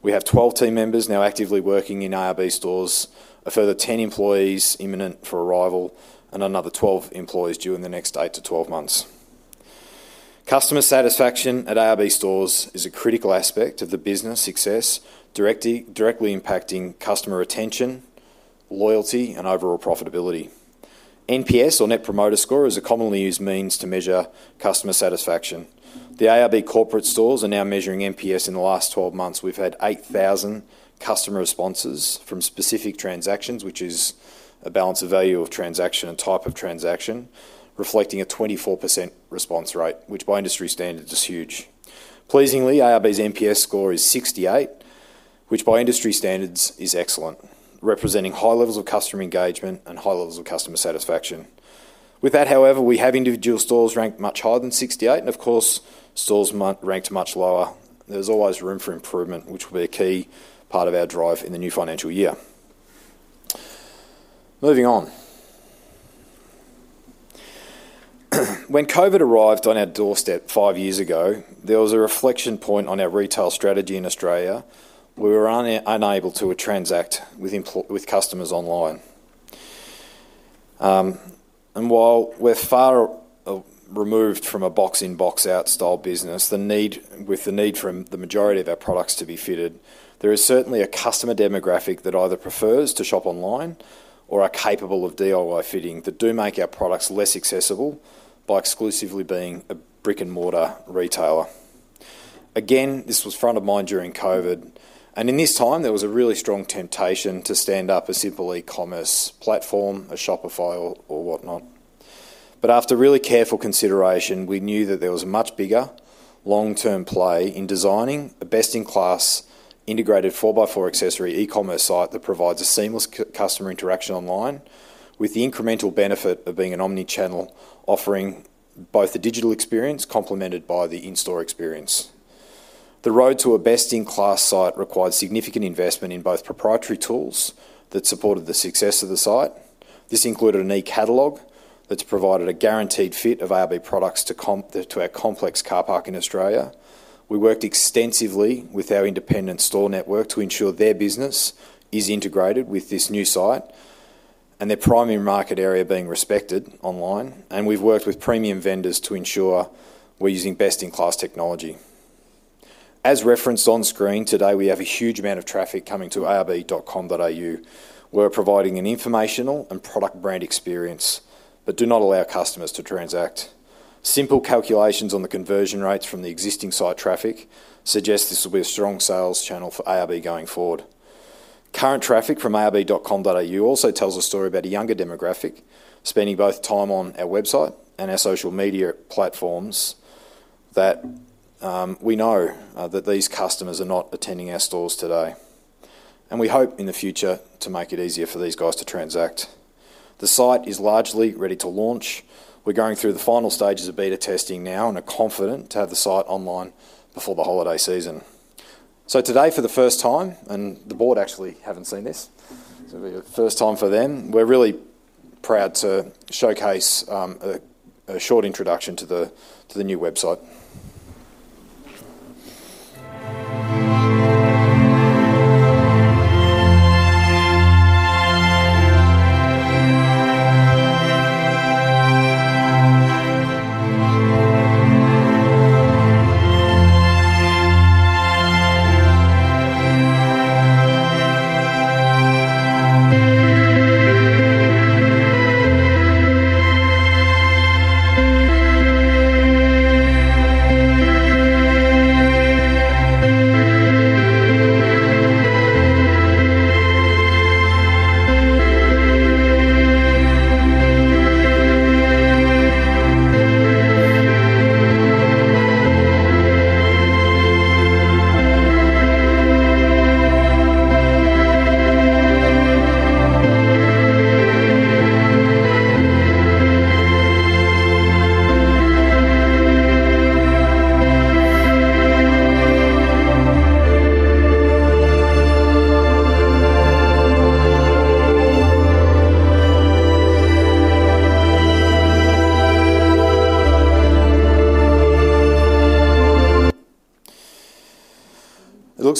We have 12 team members now actively working in ARB stores, a further 10 employees imminent for arrival, and another 12 employees during the next 8-12 months. Customer satisfaction at ARB stores is a critical aspect of the business success, directly impacting customer retention, loyalty, and overall profitability. NPS, or Net Promoter Score, is a commonly used means to measure customer satisfaction. The ARB corporate stores are now measuring NPS in the last 12 months. We've had 8,000 customer responses from specific transactions, which is a balance of value of transaction and type of transaction, reflecting a 24% response rate, which by industry standards is huge. Pleasingly, ARB's NPS score is 68, which by industry standards is excellent, representing high levels of customer engagement and high levels of customer satisfaction. With that, however, we have individual stores ranked much higher than 68, and of course, stores ranked much lower. There's always room for improvement, which will be a key part of our drive in the new financial year. Moving on. When COVID arrived on our doorstep five years ago, there was a reflection point on our retail strategy in Australia. We were unable to transact with customers online. While we're far removed from a box in, box out style business, with the need for the majority of our products to be fitted, there is certainly a customer demographic that either prefers to shop online or are capable of DIY fitting that do make our products less accessible by exclusively being a brick-and-mortar retailer. This was front of mind during COVID. In this time, there was a really strong temptation to stand up a simple e-commerce platform, a Shopify, or whatnot. After really careful consideration, we knew that there was a much bigger long-term play in designing a best-in-class integrated 4x4 accessory e-commerce site that provides a seamless customer interaction online, with the incremental benefit of being an omnichannel offering both the digital experience complemented by the in-store experience. The road to a best-in-class site required significant investment in both proprietary tools that supported the success of the site. This included an e-catalog that's provided a guaranteed fit of ARB products to our complex car park in Australia. We worked extensively with our independent store network to ensure their business is integrated with this new site and their primary market area being respected online. We've worked with premium vendors to ensure we're using best-in-class technology. As referenced on screen today, we have a huge amount of traffic coming to arb.com.au. We're providing an informational and product brand experience, but do not allow customers to transact. Simple calculations on the conversion rates from the existing site traffic suggest this will be a strong sales channel for ARB going forward. Current traffic from arb.com.au also tells a story about a younger demographic spending both time on our website and our social media platforms. We know that these customers are not attending our stores today. We hope in the future to make it easier for these guys to transact. The site is largely ready to launch. We're going through the final stages of beta testing now and are confident to have the site online before the holiday season. Today, for the first time, and the board actually haven't seen this, so it'll be the first time for them, we're really proud to showcase a short introduction to the new website.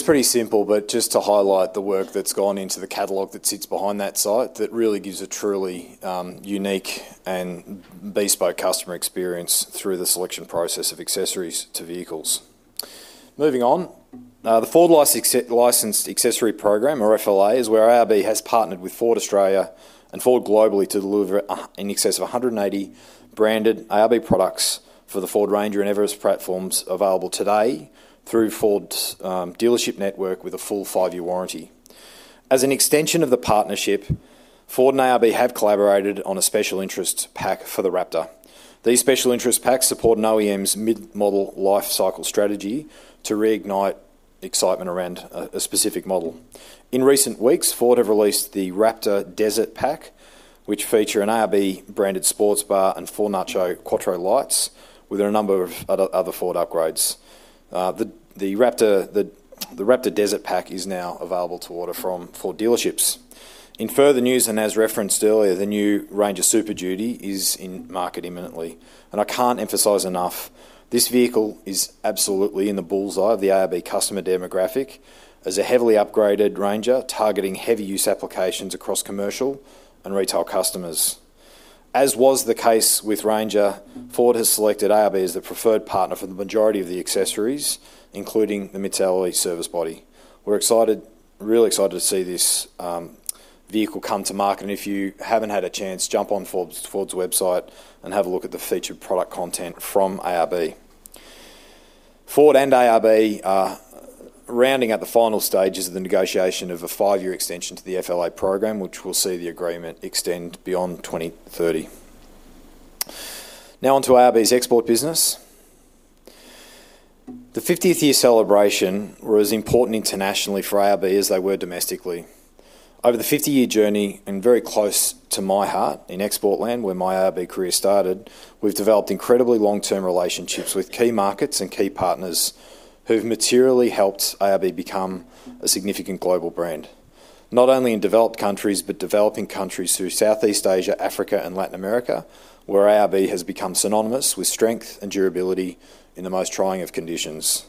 It looks pretty simple, but just to highlight the work that's gone into the catalog that sits behind that site that really gives a truly unique and bespoke customer experience through the selection process of accessories to vehicles. Moving on, the Ford Licensed Accessory Program, or FLA, is where ARB has partnered with Ford Australia and Ford globally to deliver in excess of 180 branded ARB products for the Ford Ranger and Everest platforms available today through Ford's dealership network with a full five-year warranty. As an extension of the partnership, Ford and ARB have collaborated on a special interest pack for the Raptor. These special interest packs support an OEM's mid-model life cycle strategy to reignite excitement around a specific model. In recent weeks, Ford have released the Raptor Desert pack, which features an ARB-branded sports bar and full Nacho Quattro lights, with a number of other Ford upgrades. The Raptor Desert pack is now available to order from Ford dealerships. In further news, and as referenced earlier, the new Ranger Super Duty is in market imminently. I can't emphasize enough, this vehicle is absolutely in the bull's eye of the ARB customer demographic as a heavily upgraded Ranger targeting heavy use applications across commercial and retail customers. As was the case with Ranger, Ford has selected ARB as the preferred partner for the majority of the accessories, including the MITS Alloy service body. We're really excited to see this vehicle come to market. If you haven't had a chance, jump on Ford's website and have a look at the featured product content from ARB. Ford and ARB are rounding at the final stages of the negotiation of a five-year extension to the FLA program, which will see the agreement extend beyond 2030. Now on to ARB's export business. The 50th year celebration was important internationally for ARB as they were domestically. Over the 50-year journey, and very close to my heart in export land where my ARB career started, we've developed incredibly long-term relationships with key markets and key partners who've materially helped ARB become a significant global brand, not only in developed countries, but developing countries through Southeast Asia, Africa, and Latin America, where ARB has become synonymous with strength and durability in the most trying of conditions.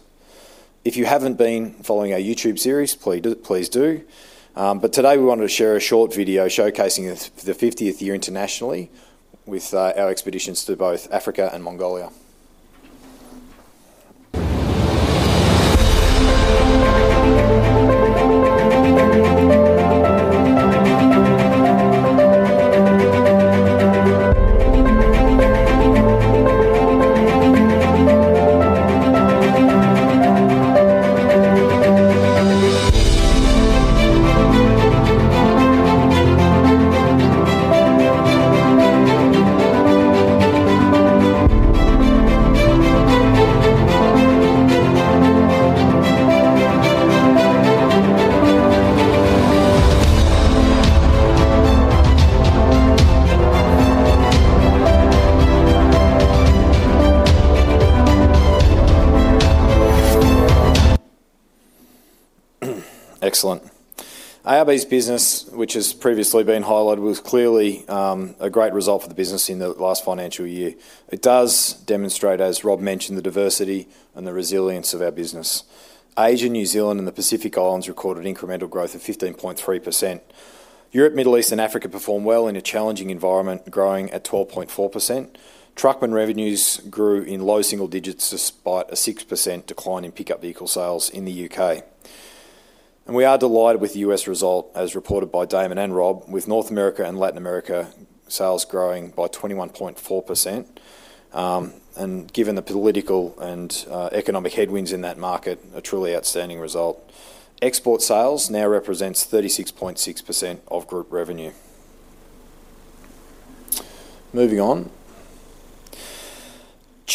If you haven't been following our YouTube series, please do. Today, we wanted to share a short video showcasing the 50th year internationally with our expeditions to both Africa and Mongolia. Excellent. ARB's business, which has previously been highlighted, was clearly a great result for the business in the last financial year. It does demonstrate, as Rob mentioned, the diversity and the resilience of our business. Asia, New Zealand, and the Pacific Islands recorded incremental growth of 15.3%. Europe, Middle East, and Africa performed well in a challenging environment, growing at 12.4%. Truckman revenues grew in low single digits despite a 6% decline in pickup vehicle sales in the U.K. We are delighted with the U.S. result, as reported by Damon and Rob, with North America and Latin America sales growing by 21.4%. Given the political and economic headwinds in that market, a truly outstanding result. Export sales now represent 36.6% of group revenue. Moving on,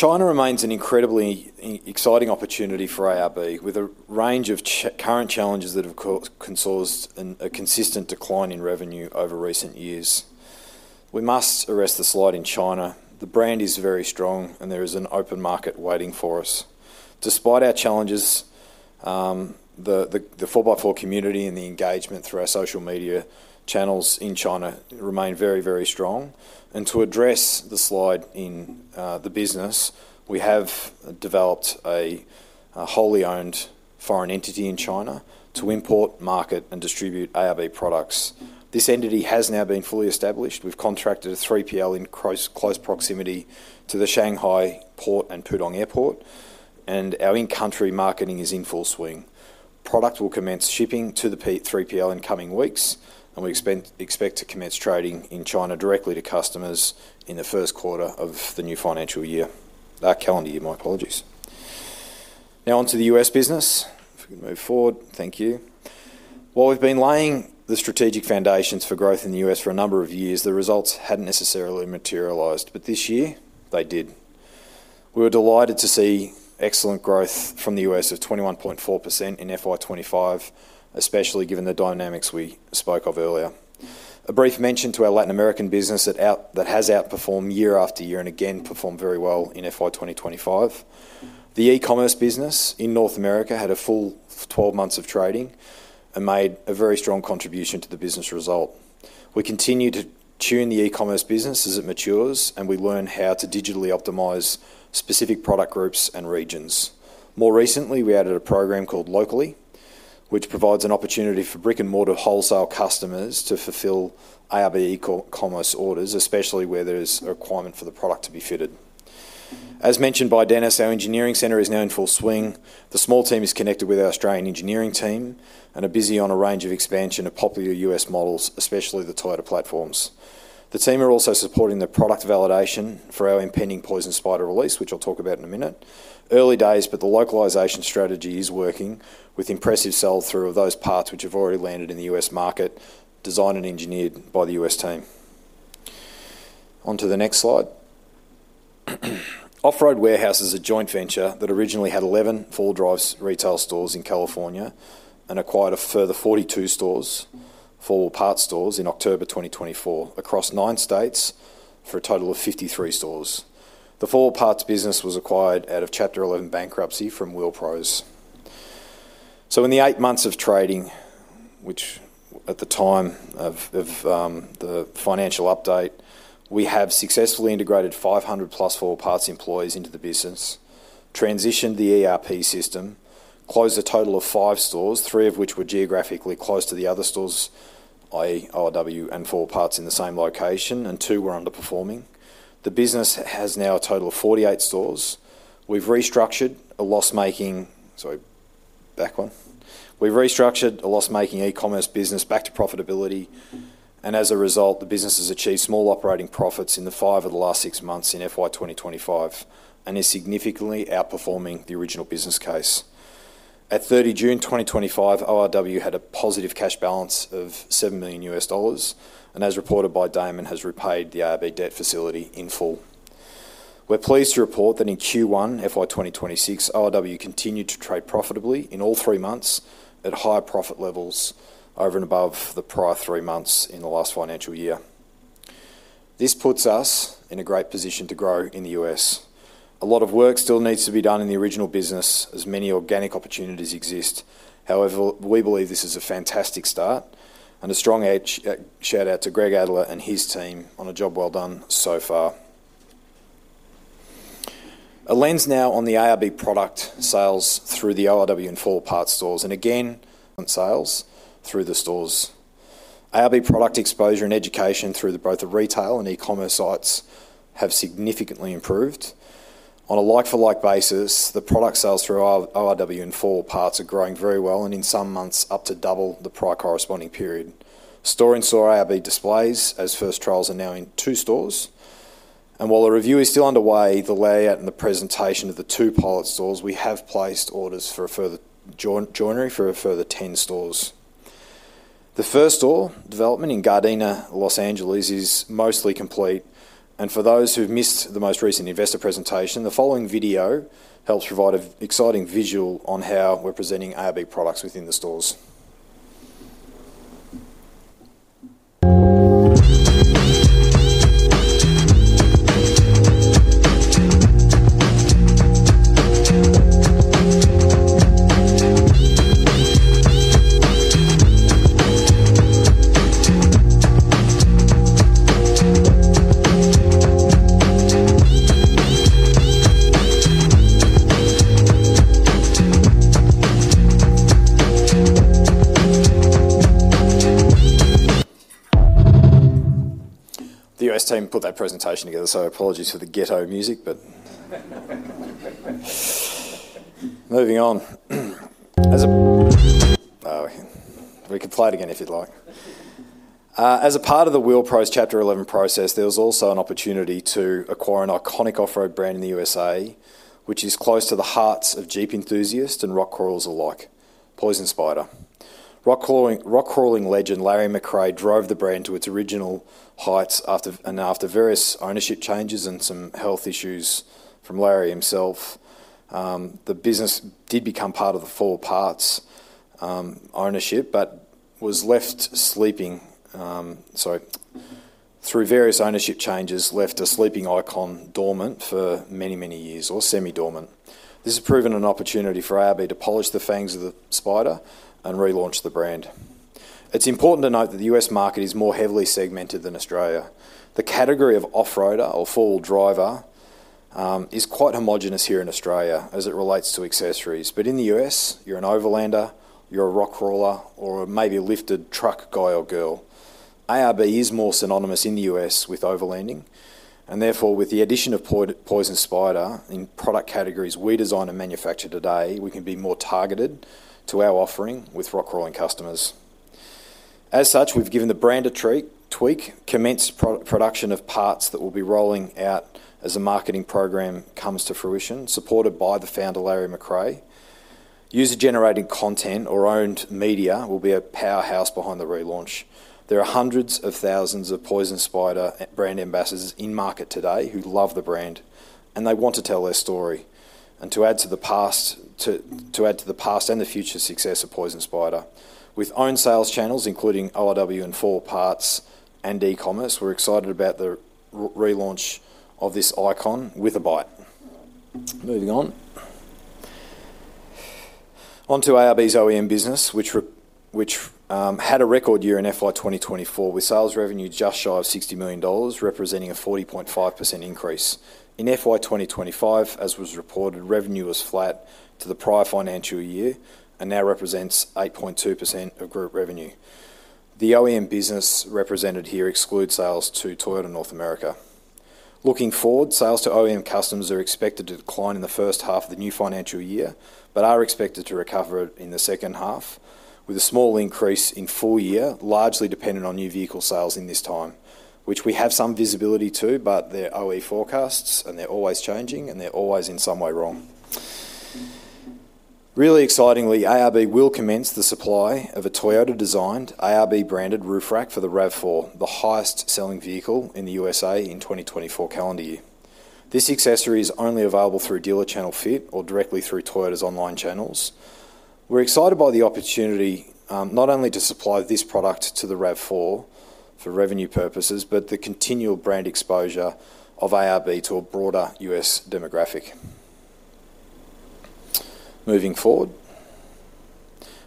China remains an incredibly exciting opportunity for ARB, with a range of current challenges that have caused a consistent decline in revenue over recent years. We must arrest the slide in China. The brand is very strong, and there is an open market waiting for us. Despite our challenges, the 4x4 community and the engagement through our social media channels in China remain very, very strong. To address the slide in the business, we have developed a wholly owned foreign entity in China to import, market, and distribute ARB products. This entity has now been fully established. We've contracted a 3PL in close proximity to the Shanghai Port and Pudong Airport, and our in-country marketing is in full swing. Product will commence shipping to the 3PL in coming weeks, and we expect to commence trading in China directly to customers in the first quarter of the new financial year. That calendar year, my apologies. Now on to the U.S. business. If we can move forward, thank you. While we've been laying the strategic foundations for growth in the U.S. for a number of years, the results hadn't necessarily materialized, but this year, they did. We were delighted to see excellent growth from the U.S. of 21.4% in FY 2025, especially given the dynamics we spoke of earlier. A brief mention to our Latin American business that has outperformed year after year and again performed very well in FY 2025. The e-commerce business in North America had a full 12 months of trading and made a very strong contribution to the business result. We continue to tune the e-commerce business as it matures, and we learn how to digitally optimize specific product groups and regions. More recently, we added a program called Locally, which provides an opportunity for brick-and-mortar wholesale customers to fulfill ARB e-commerce orders, especially where there is a requirement for the product to be fitted. As mentioned by Dennis Horton, our engineering center is now in full swing. The small team is connected with our Australian engineering team and are busy on a range of expansion of popular U.S. models, especially the Toyota platforms. The team are also supporting the product validation for our impending Poison Spyder release, which I'll talk about in a minute. Early days, but the localization strategy is working with impressive sell-through of those parts which have already landed in the U.S. market, designed and engineered by the U.S. team. Onto the next slide. ORW is a joint venture that originally had 11 four-wheel drive retail stores in California and acquired a further 42 parts stores in October 2024 across nine states for a total of 53 stores. the 4 Wheel Parts business was acquired out of Chapter 11 bankruptcy from Wheel Pros. In the eight months of trading, which at the time of the financial update, we have successfully integrated 500 plus 4 Wheel Parts employees into the business, transitioned the ERP system, closed a total of five stores, three of which were geographically close to the other stores, i.e., ORW and 4 Wheel Parts in the same location, and two were underperforming. The business now has a total of 48 stores. We've restructured a loss-making e-commerce business back to profitability, and as a result, the business has achieved small operating profits in five of the last six months in FY 2025 and is significantly outperforming the original business case. At 30 June 2025, ORW had a positive cash balance of AUD 7 million, and as reported by Damon Page, has repaid the ARB debt facility in full. We're pleased to report that in Q1 FY 2026, ORW continued to trade profitably in all three months at higher profit levels over and above the prior three months in the last financial year. This puts us in a great position to grow in the U.S. A lot of work still needs to be done in the original business as many organic opportunities exist. However, we believe this is a fantastic start, and a strong shout out to Greg Adler and his team on a job well done so far. A lens now on the ARB product sales through the 4 Wheel Parts stores, and again on sales through the stores. ARB product exposure and education through both the retail and e-commerce sites have significantly improved. On a like-for-like basis, the product sales through 4 Wheel Parts are growing very well, and in some months, up to double the prior corresponding period. Store-in-store ARB displays as first trials are now in two stores, and while a review is still underway, the layout and the presentation of the two pilot stores, we have placed orders for further joinery for a further 10 stores. The first store development in Gardena, Los Angeles, is mostly complete, and for those who've missed the most recent investor presentation, the following video helps provide an exciting visual on how we're presenting ARB products within the stores. The U.S. team put that presentation together, so apologies for the ghetto music, but moving on. We can play it again if you'd like. As a part of the WillPros Chapter 11 process, there was also an opportunity to acquire an iconic off-road brand in the U.S.A., which is close to the hearts of Jeep enthusiasts and rock crawlers alike, Poison Spyder. Rock crawling legend Larry McRae drove the brand to its original heights, and after various ownership changes and some health issues from Larry himself, the business did become part 4 Wheel Parts ownership, but was left sleeping. Through various ownership changes, it left a sleeping icon dormant for many, many years, or semi-dormant. This has proven an opportunity for ARB to polish the fangs of the spider and relaunch the brand. It's important to note that the U.S. market is more heavily segmented than Australia. The category of off-roader or four-wheel driver is quite homogenous here in Australia as it relates to accessories, but in the U.S., you're an overlander, you're a rock crawler, or maybe a lifted truck guy or girl. ARB is more synonymous in the U.S. with overlanding, and therefore, with the addition of Poison Spyder in product categories we design and manufacture today, we can be more targeted to our offering with rock crawling customers. As such, we've given the brand a tweak, commenced production of parts that will be rolling out as a marketing program comes to fruition, supported by the founder Larry McRae. User-generated content or owned media will be a powerhouse behind the relaunch. There are hundreds of thousands of Poison Spyder brand ambassadors in market today who love the brand, and they want to tell their story. To add to the past and the future success of Poison Spyder, with owned sales channels, including 4 Wheel Parts and e-commerce, we're excited about the relaunch of this icon with a bite. Moving on. Onto ARB's OEM business, which had a record year in FY 2024 with sales revenue just shy of AUD 60 million, representing a 40.5% increase. In FY 2025, as was reported, revenue was flat to the prior financial year and now represents 8.2% of group revenue. The OEM business represented here excludes sales to Toyota North America. Looking Forward, sales to OEM customers are expected to decline in the first half of the new financial year, but are expected to recover in the second half, with a small increase in full-year, largely dependent on new vehicle sales in this time, which we have some visibility to, but they're OE forecasts, and they're always changing, and they're always in some way wrong. Really excitingly, ARB will commence the supply of a Toyota-designed, ARB-branded roof rack for the RAV4, the highest-selling vehicle in the U.S.A. in the 2024 calendar year. This accessory is only available through dealer channel fit or directly through Toyota's online channels. We're excited by the opportunity not only to supply this product to the RAV4 for revenue purposes, but the continual brand exposure of ARB to a broader U.S. demographic. Moving forward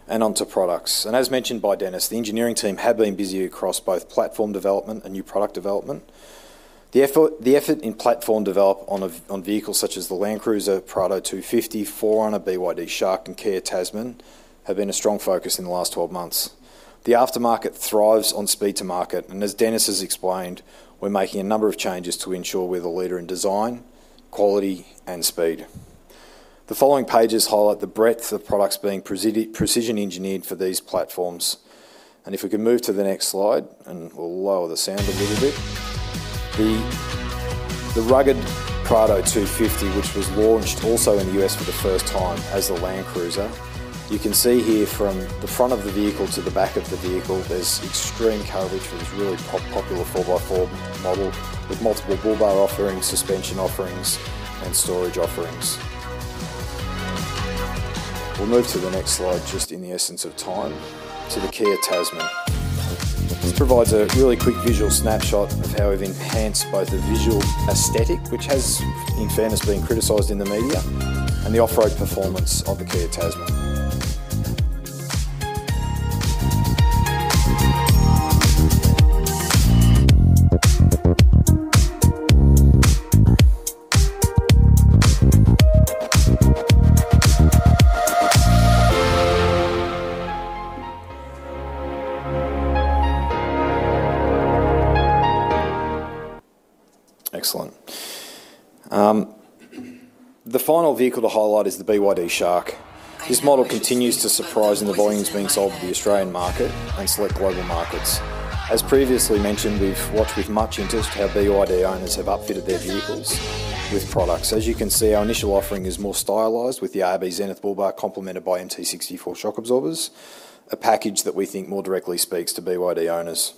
and on to products. As mentioned by Dennis, the engineering team have been busy across both platform development and new product development. The effort in platform development on vehicles such as the Land Cruiser, Prado 250, 4Runner, BYD Shark, and Kia Tasman have been a strong focus in the last 12 months. The aftermarket thrives on speed to market, and as Dennis has explained, we're making a number of changes to ensure we're the leader in design, quality, and speed. The following pages highlight the breadth of products being precision-engineered for these platforms. If we can move to the next slide, and we'll lower the sound a little bit. The rugged Prado 250, which was launched also in the U.S. for the first time as the Land Cruiser, you can see here from the front of the vehicle to the back of the vehicle, there's extreme coverage for this really popular 4x4 model with multiple bullbar offerings, suspension offerings, and storage offerings. We'll move to the next slide just in the essence of time to the Kia Tasman. This provides a really quick visual snapshot of how we've enhanced both the visual aesthetic, which has, in fairness, been criticized in the media, and the off-road performance of the Kia Tasman. Excellent. The final vehicle to highlight is the BYD Shark. This model continues to surprise in the volumes being sold to the Australian market and select global markets. As previously mentioned, we've watched with much interest how BYD owners have upfitted their vehicles with products. As you can see, our initial offering is more stylized with the ARB Zenith Bull Bar complemented by MT64 shock absorbers, a package that we think more directly speaks to BYD owners.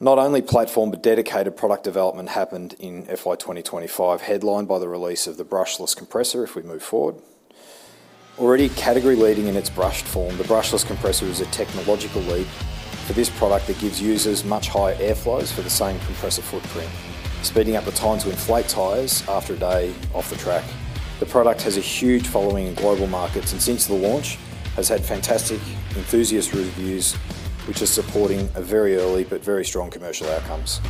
Not only platform, but dedicated product development happened in FY 2025, headlined by the release of the ARB Brushless Compressor. If we move forward, already category leading in its brushed form, the ARB Brushless Compressor is a technological leap. For this product, it gives users much higher airflows for the same compressor footprint, speeding up the time to inflate tires after a day off the track. The product has a huge following in global markets, and since the launch, it has had fantastic enthusiast reviews, which are supporting very early but very strong commercial outcomes.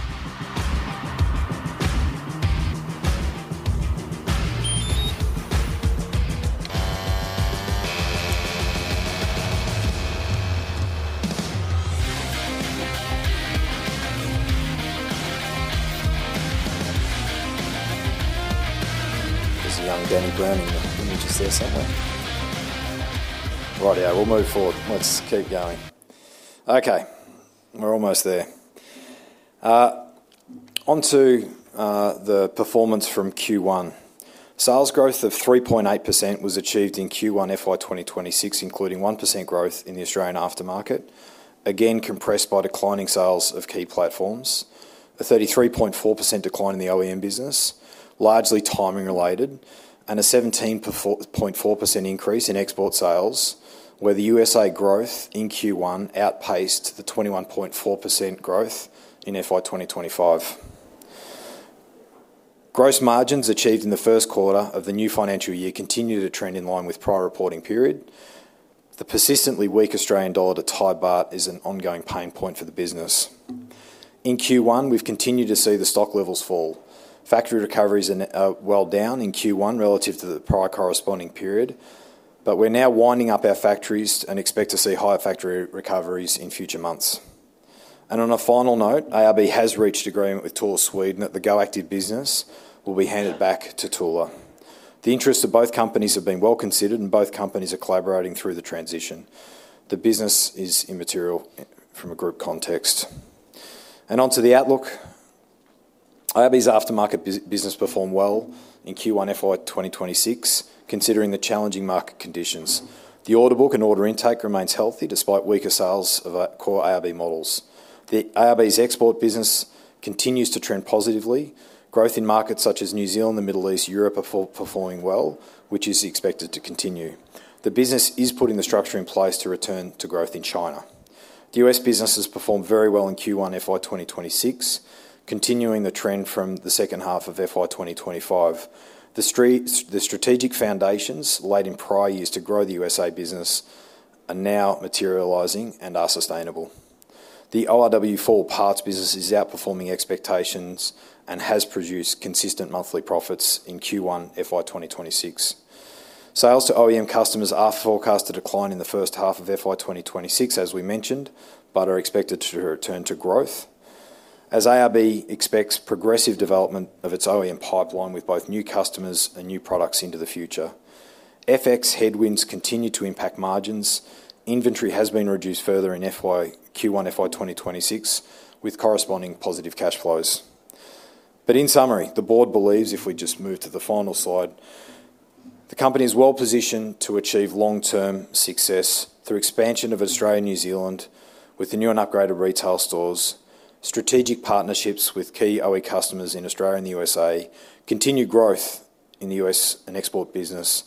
There's a young Danny Browning image there somewhere. Right, yeah, we'll move forward. Let's keep going. OK, we're almost there. Onto the performance from Q1. Sales growth of 3.8% was achieved in Q1 FY 2026, including 1% growth in the Australian aftermarket, again compressed by declining sales of key platforms, a 33.4% decline in the OEM business, largely timing related, and a 17.4% increase in export sales, where the U.S.A. growth in Q1 outpaced the 21.4% growth in FY 2025. Gross margins achieved in the first quarter of the new financial year continue to trend in line with prior reporting period. The persistently weak Australian dollar to Thai baht is an ongoing pain point for the business. In Q1, we've continued to see the stock levels fall. Factory recoveries are well down in Q1 relative to the prior corresponding period, but we're now winding up our factories and expect to see higher factory recoveries in future months. On a final note, ARB has reached agreement with Thule Sweden that the Go Active business will be handed back to Thule. The interests of both companies have been well considered, and both companies are collaborating through the transition. The business is immaterial from a group context. Onto the outlook. ARB's aftermarket business performed well in Q1 FY 2026, considering the challenging market conditions. The order book and order intake remains healthy despite weaker sales of core ARB models. ARB's export business continues to trend positively. Growth in markets such as New Zealand, the Middle East, and Europe are performing well, which is expected to continue. The business is putting the structure in place to return to growth in China. The U.S. business has performed very well in Q1 FY 2026, continuing the trend from the second half of FY 2025. The strategic foundations laid in prior years to grow the U.S.A. business are now materializing and are sustainable. The ORW 4 Wheel Parts business is outperforming expectations and has produced consistent monthly profits in Q1 FY 2026. Sales to OEM customers are forecast to decline in the first half of FY 2026, as we mentioned, but are expected to return to growth, as ARB expects progressive development of its OEM pipeline with both new customers and new products into the future. FX headwinds continue to impact margins. Inventory has been reduced further in Q1 FY 2026, with corresponding positive cash flows. In summary, the Board believes, if we just move to the final slide, the company is well positioned to achieve long-term success through expansion of Australia and New Zealand, with the new and upgraded retail stores, strategic partnerships with key OE customers in Australia and the U.S.A., continued growth in the U.S. and export business,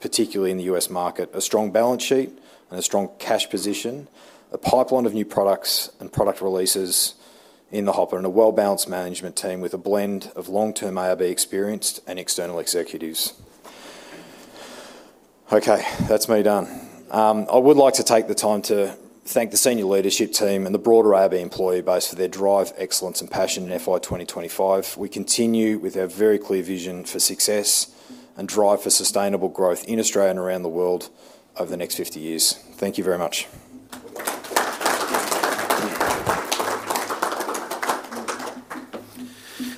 particularly in the U.S. market, a strong balance sheet, and a strong cash position, a pipeline of new products and product releases in the hopper, and a well-balanced management team with a blend of long-term ARB experience and external executives. OK, that's me done. I would like to take the time to thank the Senior Leadership Team and the broader ARB employee base for their drive, excellence, and passion in FY 2025. We continue with a very clear vision for success and drive for sustainable growth in Australia and around the world over the next 50 years. Thank you very much.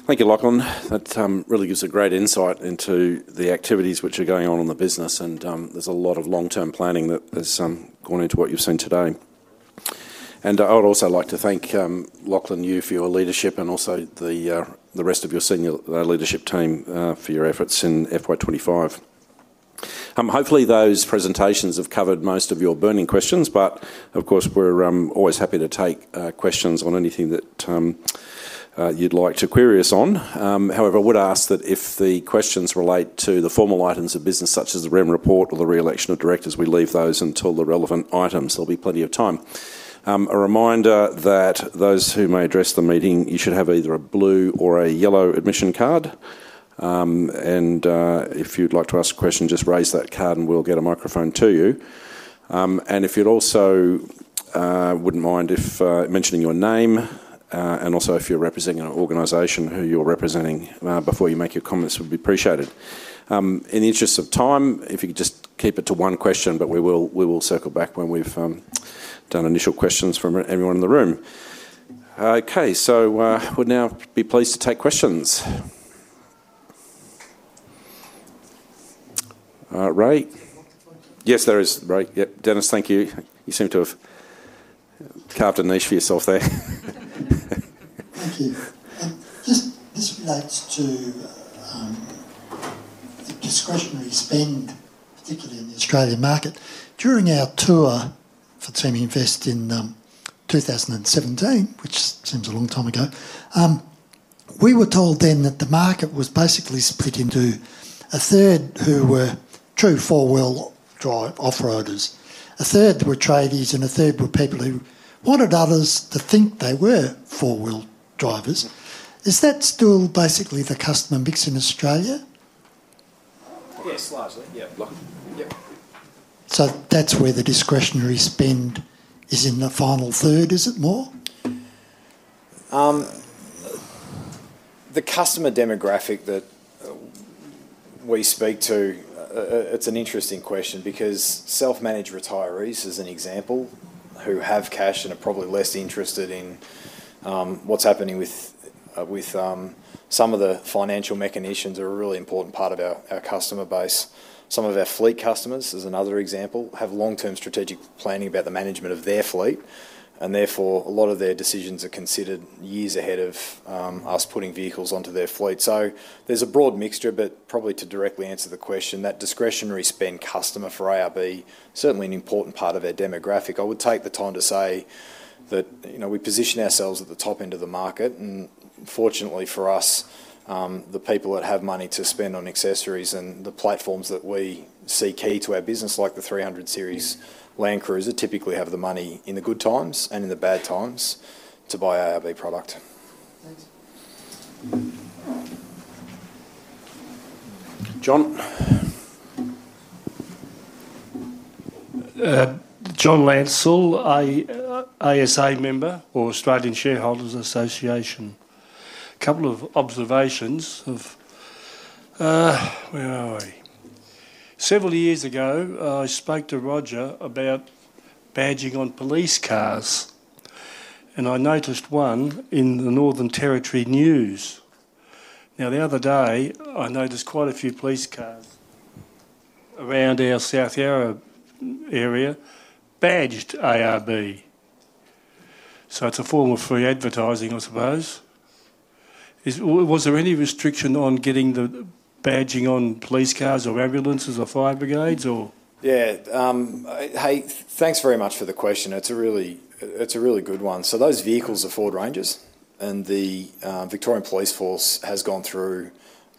Thank you, Lachlan. That really gives a great insight into the activities which are going on in the business, and there's a lot of long-term planning that has gone into what you've seen today. I would also like to thank Lachlan, you for your leadership, and also the rest of your Senior Leadership Team for your efforts in FY 2025. Hopefully, those presentations have covered most of your burning questions, but of course, we're always happy to take questions on anything that you'd like to query us on. However, I would ask that if the questions relate to the formal items of business, such as the REM report or the re-election of directors, we leave those until the relevant items. There'll be plenty of time. A reminder that those who may address the meeting, you should have either a blue or a yellow admission card. If you'd like to ask a question, just raise that card, and we'll get a microphone to you. If you also wouldn't mind mentioning your name and also if you're representing an organization, who you're representing before you make your comments, it would be appreciated. In the interest of time, if you could just keep it to one question, but we will circle back when we've done initial questions from everyone in the room. OK, we'd now be pleased to take questions. Ray? Yes, there is Ray. Yep. Dennis, thank you. You seem to have carved a niche for yourself there. Thank you. This relates to the discretionary spend, particularly in the Australian market. During our tour for Theme Invest in 2017, which seems a long time ago, we were told then that the market was basically split into a third who were true four-wheel drive off-roaders, a third were traders, and a third were people who wanted others to think they were four-wheel drivers. Is that still basically the customer mix in Australia? Yes, largely. Yeah. That's where the discretionary spend is in the final third, is it more? The customer demographic that we speak to, it's an interesting question because self-managed retirees, as an example, who have cash and are probably less interested in what's happening with some of the financial mechanisms, are a really important part of our customer base. Some of our fleet customers, as another example, have long-term strategic planning about the management of their fleet, and therefore, a lot of their decisions are considered years ahead of us putting vehicles onto their fleet. There's a broad mixture, but probably to directly answer the question, that discretionary spend customer for ARB is certainly an important part of their demographic. I would take the time to say that we position ourselves at the top end of the market, and fortunately for us, the people that have money to spend on accessories and the platforms that we see key to our business, like the 300 series Land Cruiser, typically have the money in the good times and in the bad times to buy our ARB product. Thanks. John? A couple of observations. Where are we? Several years ago, I spoke to Roger about badging on police cars, and I noticed one in the Northern Territory news. The other day, I noticed quite a few police cars around our South Yarra area badged ARB. It's a form of free advertising, I suppose. Was there any restriction on getting the badging on police cars or ambulances or fire brigades, or? Yeah. Hey, thanks very much for the question. It's a really good one. Those vehicles are Ford Rangers, and the Victorian Police Force has gone through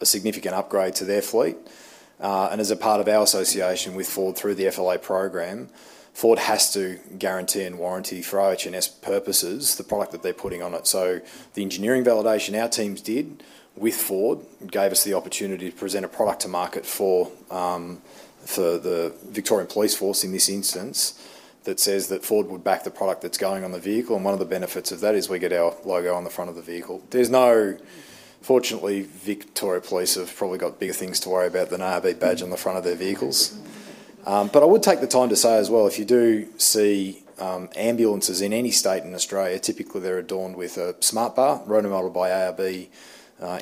a significant upgrade to their fleet. As a part of our association with Ford through the FLA program, Ford has to guarantee and warranty for OH&S purposes the product that they're putting on it. The engineering validation our teams did with Ford gave us the opportunity to present a product to market for the Victorian Police Force in this instance that says that Ford would back the product that's going on the vehicle. One of the benefits of that is we get our logo on the front of the vehicle. Fortunately, Victoria Police have probably got bigger things to worry about than an ARB badge on the front of their vehicles. I would take the time to say as well, if you do see ambulances in any state in Australia, typically they're adorned with a smart bar, roto-molded by ARB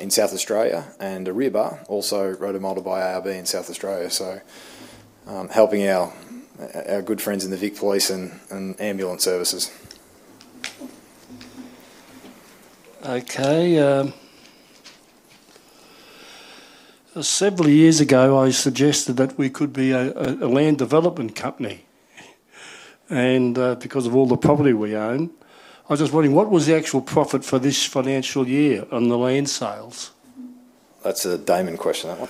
in South Australia, and a rear bar, also roto-molded by ARB in South Australia. Helping our good friends in the Vic Police and ambulance services. OK. Several years ago, I suggested that we could be a land development company. Because of all the property we own, I was just wondering, what was the actual profit for this financial year on the land sales? That's a Damon Page question, that one.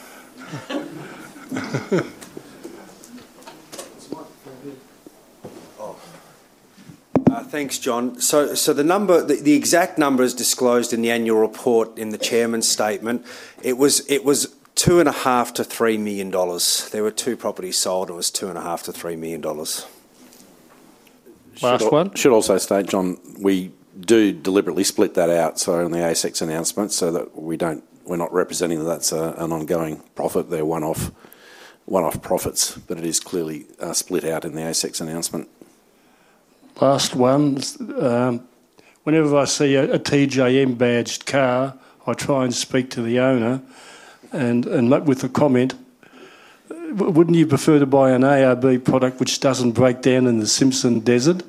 Thanks, John. The exact number is disclosed in the annual report in the Chairman's statement. It was 2.5 million-3 million dollars. There were two properties sold. It was 2.5 million-3 million dollars. Last one. I should also state, John, we do deliberately split that out, so on the ASX announcement, so that we're not representing that that's an ongoing profit. They're one-off profits, but it is clearly split out in the ASX announcement. Last one. Whenever I see a TJM badged car, I try and speak to the owner and look with a comment. Wouldn't you prefer to buy an ARB product which doesn't break down in the Simpson Desert?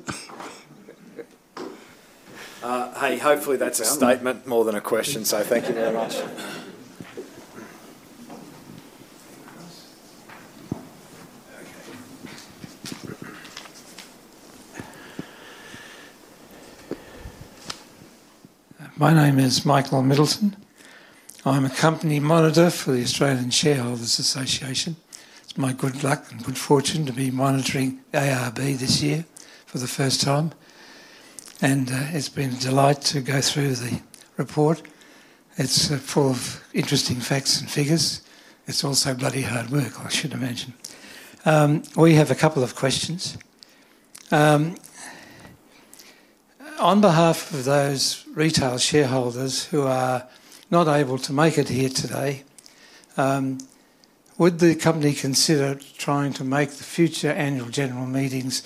Hopefully that's a statement more than a question. Thank you very much. My name is Michael Middleton. I'm a Company Monitor for the Australian Shareholders Association. It's my good luck and good fortune to be monitoring ARB this year for the first time. It's been a delight to go through the report. It's full of interesting facts and figures. It's also bloody hard work, I should imagine. We have a couple of questions. On behalf of those retail shareholders who are not able to make it here today, would the company consider trying to make the future Annual General Meetings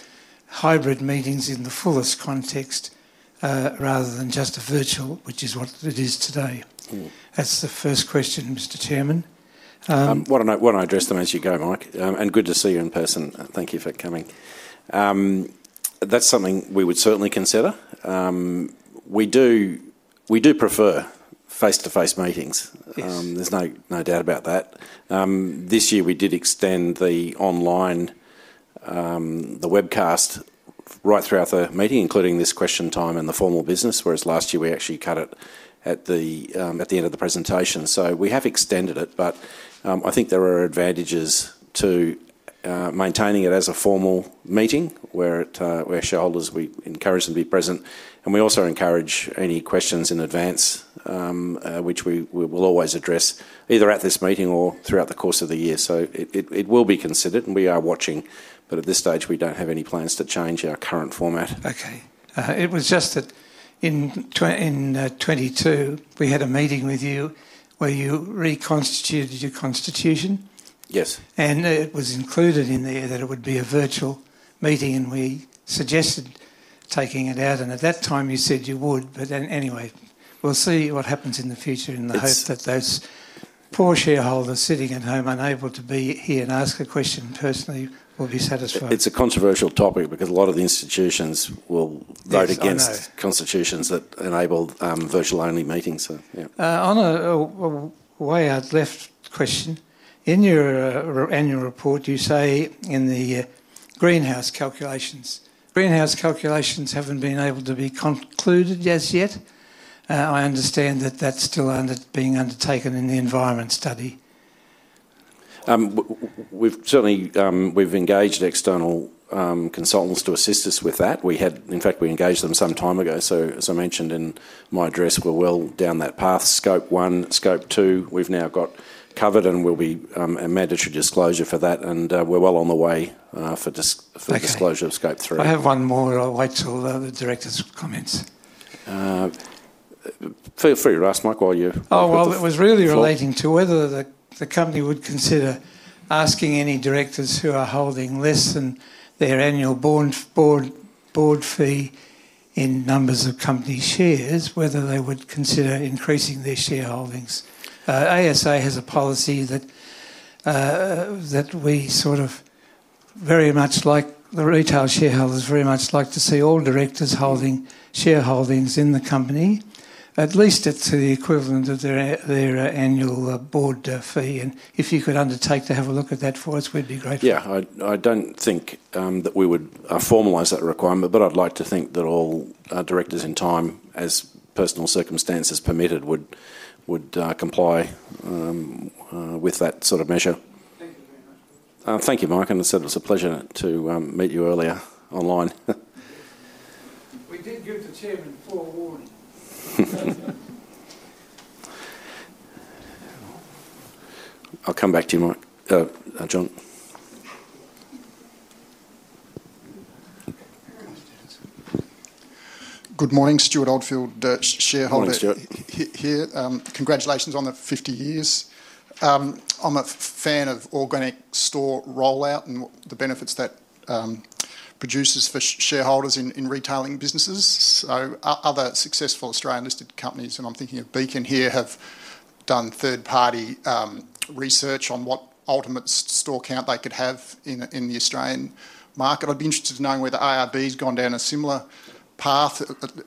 hybrid meetings in the fullest context rather than just a virtual, which is what it is today? That's the first question, Mr. Chairman. Why don't I address them as you go, Mike? Good to see you in person. Thank you for coming. That's something we would certainly consider. We do prefer face-to-face meetings. There's no doubt about that. This year, we did extend the online, the webcast right throughout the meeting, including this question time and the formal business, whereas last year, we actually cut it at the end of the presentation. We have extended it, but I think there are advantages to maintaining it as a formal meeting where shareholders, we encourage them to be present. We also encourage any questions in advance, which we will always address either at this meeting or throughout the course of the year. It will be considered, and we are watching, but at this stage, we don't have any plans to change our current format. OK. It was just that in 2022, we had a meeting with you where you reconstituted your constitution. Yes. It was included in there that it would be a virtual meeting, and we suggested taking it out. At that time, you said you would. Anyway, we'll see what happens in the future in the hope that those poor shareholders sitting at home unable to be here and ask a question personally will be satisfied. It's a controversial topic because a lot of the institutions will vote against constitutions that enable virtual-only meetings. On a way out left question, in your annual report, you say in the greenhouse calculations. Greenhouse calculations haven't been able to be concluded as yet. I understand that that's still being undertaken in the environment study. We've certainly engaged external consultants to assist us with that. In fact, we engaged them some time ago. As I mentioned in my address, we're well down that path. Scope 1, Scope 2, we've now got covered, and it will be a mandatory disclosure for that. We're well on the way for disclosure of Scope 3. I have one more. I'll wait till the directors' comments. Feel free to ask, Mike, while you're... It was really relating to whether the company would consider asking any directors who are holding less than their annual board fee in numbers of company shares whether they would consider increasing their shareholdings. ASA has a policy that we very much like the retail shareholders very much like to see all directors holding shareholdings in the company, at least to the equivalent of their annual board fee. If you could undertake to have a look at that for us, we'd be grateful. I don't think that we would formalize that requirement, but I'd like to think that all directors in time, as personal circumstances permitted, would comply with that sort of measure. Thank you, Mike. As I said, it was a pleasure to meet you earlier online. I'll come back to you, Mike. John? Good morning, Stuart Oldfield, shareholder here. Congratulations on the 50 years. I'm a fan of organic store rollout and the benefits that produces for shareholders in retailing businesses. Other successful Australian-listed companies, and I'm thinking of Beacon here, have done third-party research on what ultimate store count they could have in the Australian market. I'd be interested in knowing whether ARB has gone down a similar path,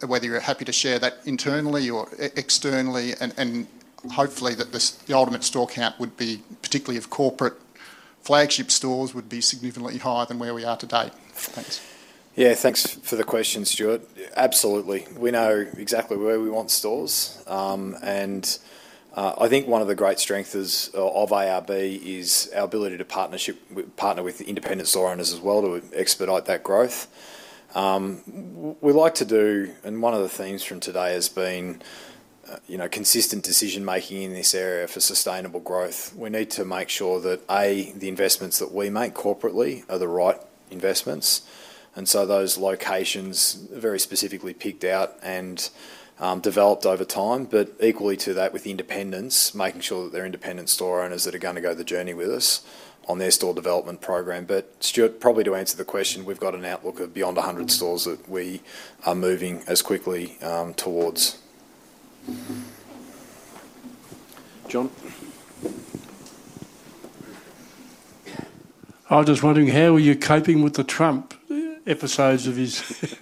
whether you're happy to share that internally or externally, and hopefully that the ultimate store count would be, particularly of corporate flagship stores, would be significantly higher than where we are today. Thanks. Yeah, thanks for the question, Stuart. Absolutely. We know exactly where we want stores. I think one of the great strengths of ARB is our ability to partner with independent store owners as well to expedite that growth. We like to do, and one of the themes from today has been consistent decision-making in this area for sustainable growth. We need to make sure that, A, the investments that we make corporately are the right investments. Those locations are very specifically picked out and developed over time. Equally to that, with independents, making sure that they're independent store owners that are going to go the journey with us on their store development program. Stuart, probably to answer the question, we've got an outlook of beyond 100 stores that we are moving as quickly towards. John? I was just wondering, how are you coping with the Trump episodes of his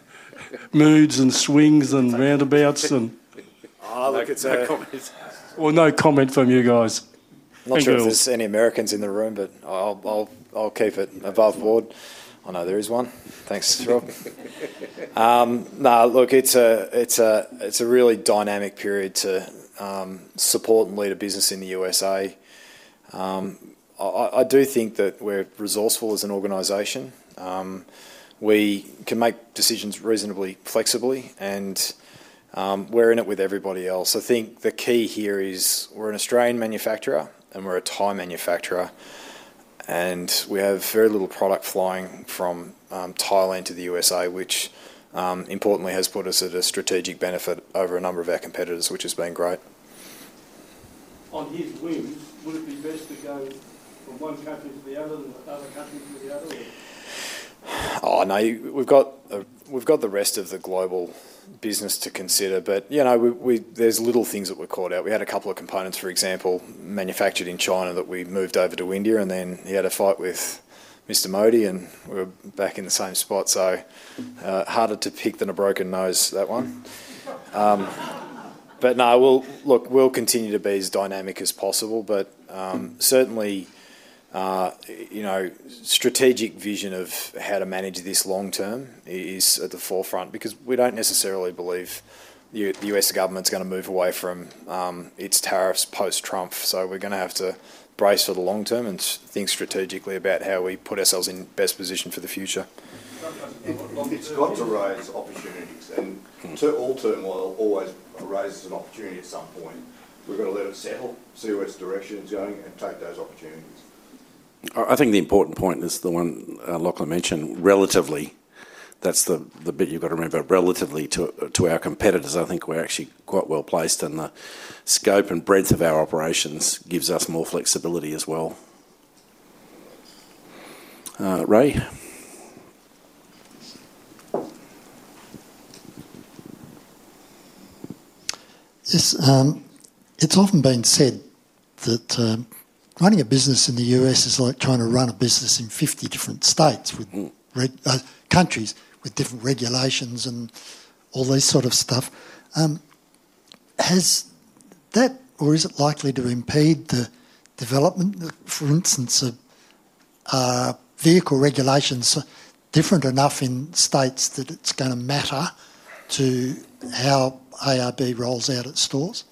moods and swings and roundabouts? Look at that comment. No comment from you guys. Not sure if there's any Americans in the room, but I'll keep it above board. I know there is one. Thanks, Stuart. No, look, it's a really dynamic period to support and lead a business in the U.S.A. I do think that we're resourceful as an organization. We can make decisions reasonably flexibly, and we're in it with everybody else. I think the key here is we're an Australian manufacturer, and we're a Thai manufacturer. We have very little product flying from Thailand to the U.S.A., which importantly has put us at a strategic benefit over a number of our competitors, which has been great. On his whim, would it be best to go from one country to the other, and the other country to the other, or? Oh, no. We've got the rest of the global business to consider. You know there's little things that were caught out. We had a couple of components, for example, manufactured in China that we moved over to India, and then he had a fight with Mr. Modi, and we were back in the same spot. Harder to pick than a broken nose, that one. No, look, we'll continue to be as dynamic as possible. Certainly, strategic vision of how to manage this long term is at the forefront because we don't necessarily believe the U.S. government's going to move away from its tariffs post-Trump. We're going to have to brace for the long term and think strategically about how we put ourselves in best position for the future. It's got to raise opportunities. All turmoil always raises an opportunity at some point. We've got to let it settle, see where its direction is going, and take those opportunities. I think the important point is the one Lachlan mentioned, relatively. That's the bit you've got to remember. Relatively to our competitors, I think we're actually quite well placed, and the scope and breadth of our operations gives us more flexibility as well. Ray? It's often been said that running a business in the U.S. is like trying to run a business in 50 different states, countries with different regulations and all this sort of stuff. Has that, or is it likely to impede the development, for instance, of vehicle regulations different enough in states that it's going to matter to how ARB rolls out its stores?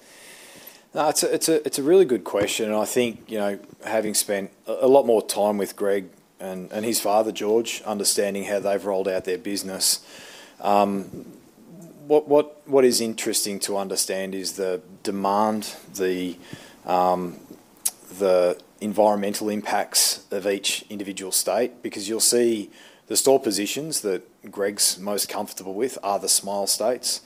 No, it's a really good question. I think having spent a lot more time with Greg and his father, George, understanding how they've rolled out their business, what is interesting to understand is the demand, the environmental impacts of each individual state. You'll see the store positions that Greg's most comfortable with are the small states: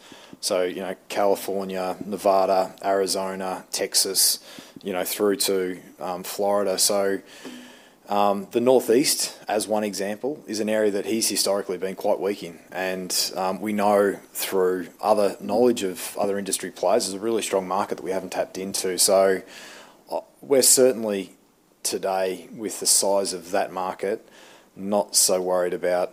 California, Nevada, Arizona, Texas, through to Florida. The Northeast, as one example, is an area that he's historically been quite weak in. We know through other knowledge of other industry players there's a really strong market that we haven't tapped into. We're certainly today, with the size of that market, not so worried about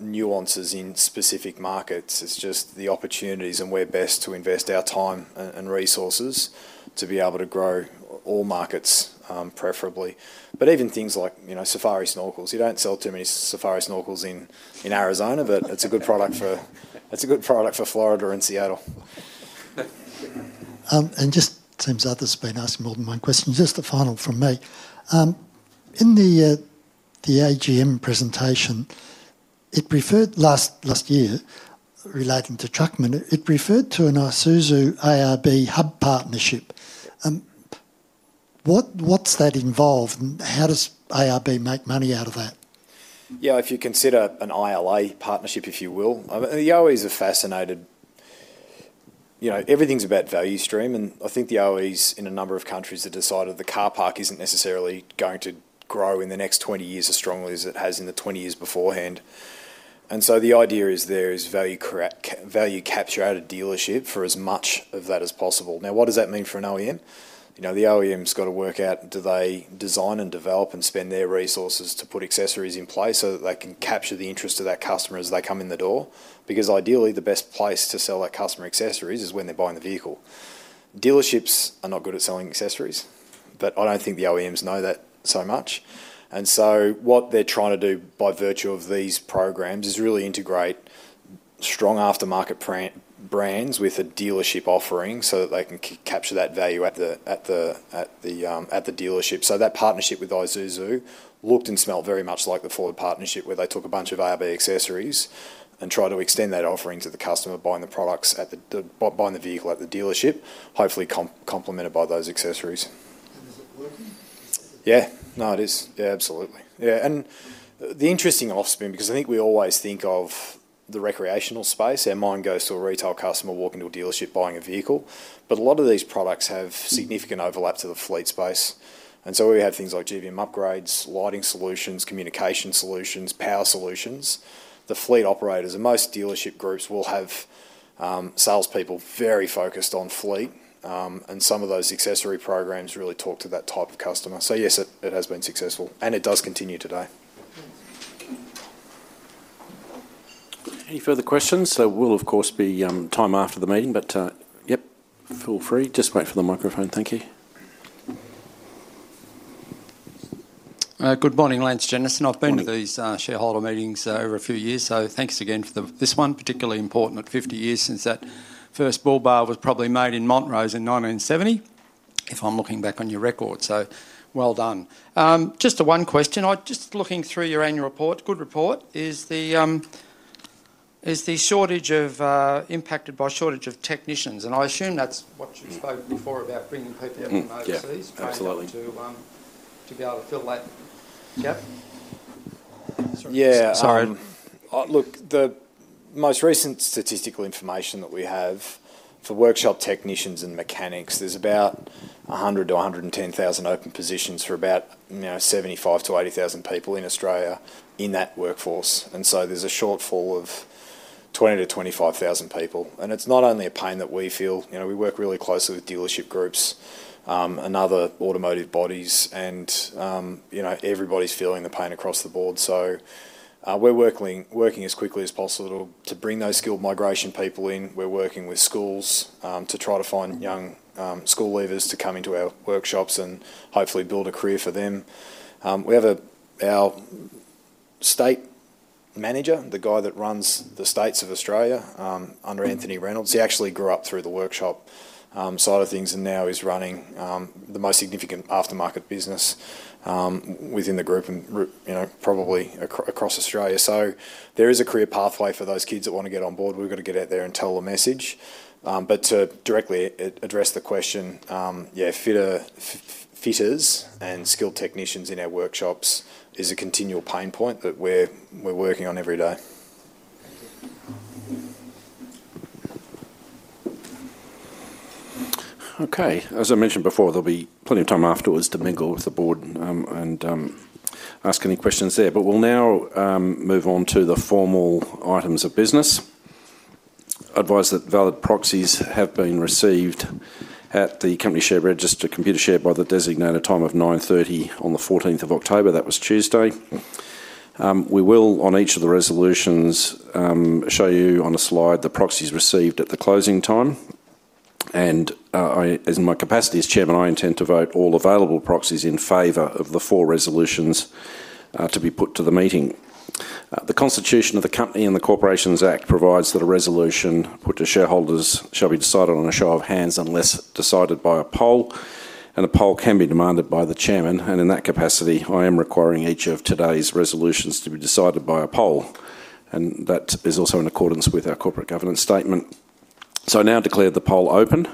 nuances in specific markets. It's just the opportunities and where best to invest our time and resources to be able to grow all markets, preferably. Even things like safari snorkels—you don't sell too many safari snorkels in Arizona, but it's a good product for Florida and Seattle. Others have been asking more than one question. Just the final from me. In the AGM presentation, it referred last year relating to Truckman, it referred to an Isuzu-ARB hub partnership. What's that involved, and how does ARB make money out of that? Yeah, if you consider an ILA partnership, if you will. The OEMs are fascinated. Everything's about value stream. I think the OEMs in a number of countries have decided the car park isn't necessarily going to grow in the next 20 years as strongly as it has in the 20 years beforehand. The idea there is value capture out of dealership for as much of that as possible. Now, what does that mean for an OEM? The OEM's got to work out do they design and develop and spend their resources to put accessories in place so that they can capture the interest of that customer as they come in the door? Ideally, the best place to sell that customer accessories is when they're buying the vehicle. Dealerships are not good at selling accessories, but I don't think the OEMs know that so much. What they're trying to do by virtue of these programs is really integrate strong aftermarket brands with a dealership offering so that they can capture that value at the dealership. That partnership with Isuzu looked and smelled very much like the Ford partnership where they took a bunch of ARB accessories and tried to extend that offering to the customer buying the products, buying the vehicle at the dealership, hopefully complemented by those accessories. Yeah, no, it is. Yeah, absolutely. The interesting offspring, because I think we always think of the recreational space. Our mind goes to a retail customer walking to a dealership buying a vehicle, but a lot of these products have significant overlap to the fleet space. We have things like GBM upgrades, lighting solutions, communication solutions, power solutions. The fleet operators and most dealership groups will have salespeople very focused on fleet, and some of those accessory programs really talk to that type of customer. Yes, it has been successful, and it does continue today. Any further questions? There will, of course, be time after the meeting, but feel free. Just wait for the microphone. Thank you. Good morning, Lance Jenison. I've been to these shareholder meetings over a few years, so thanks again for this one. Particularly important at 50 years since that first bull bar was probably made in Montrose in 1970, if I'm looking back on your record. So well done. Just the one question. I'm just looking through your annual report. Good report. Is the shortage impacted by a shortage of technicians? I assume that's what you spoke before about bringing people from overseas to be able to fill that gap. Sorry. Look, the most recent statistical information that we have for workshop technicians and mechanics, there's about 100,000-110,000 open positions for about 75,000-80,000 people in Australia in that workforce. There's a shortfall of 20,000-25,000 people. It's not only a pain that we feel. We work really closely with dealership groups and other automotive bodies, and everybody's feeling the pain across the board. We're working as quickly as possible to bring those skilled migration people in. We're working with schools to try to find young school leavers to come into our workshops and hopefully build a career for them. We have our State Manager, the guy that runs the states of Australia under Anthony Reynolds. He actually grew up through the workshop side of things and now is running the most significant aftermarket business within the group and probably across Australia. There is a career pathway for those kids that want to get on board. We've got to get out there and tell the message. To directly address the question, fitters and skilled technicians in our workshops is a continual pain point that we're working on every day. OK. As I mentioned before, there'll be plenty of time afterwards to mingle with the board and ask any questions there. We'll now move on to the formal items of business. I advise that valid proxies have been received at the company share register, ComputerShare, by the designated time of 9:30 A.M. on the 14th of October. That was Tuesday. We will, on each of the resolutions, show you on a slide the proxies received at the closing time. In my capacity as Chairman, I intend to vote all available proxies in favor of the four resolutions to be put to the meeting. The Constitution of the Company and the Corporations Act provides that a resolution put to shareholders shall be decided on a show of hands unless decided by a poll. A poll can be demanded by the Chairman. In that capacity, I am requiring each of today's resolutions to be decided by a poll. That is also in accordance with our corporate governance statement. I now declare the poll open.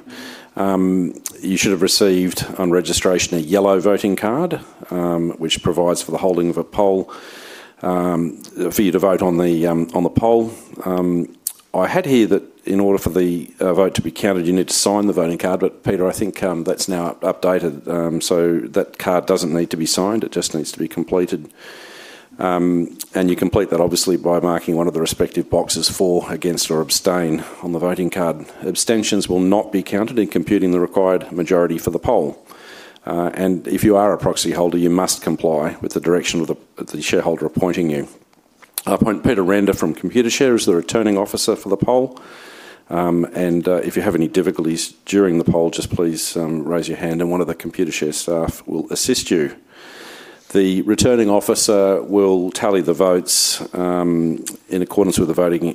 You should have received on registration a yellow voting card, which provides for the holding of a poll for you to vote on the poll. I had here that in order for the vote to be counted, you need to sign the voting card. Peter, I think that's now updated. That card doesn't need to be signed. It just needs to be completed. You complete that, obviously, by marking one of the respective boxes for, against, or abstain on the voting card. Abstentions will not be counted in computing the required majority for the poll. If you are a proxy holder, you must comply with the direction of the shareholder appointing you. I appoint Peter Render from ComputerShare as the returning officer for the poll. If you have any difficulties during the poll, please raise your hand, and one of the ComputerShare staff will assist you. The returning officer will tally the votes in accordance with the voting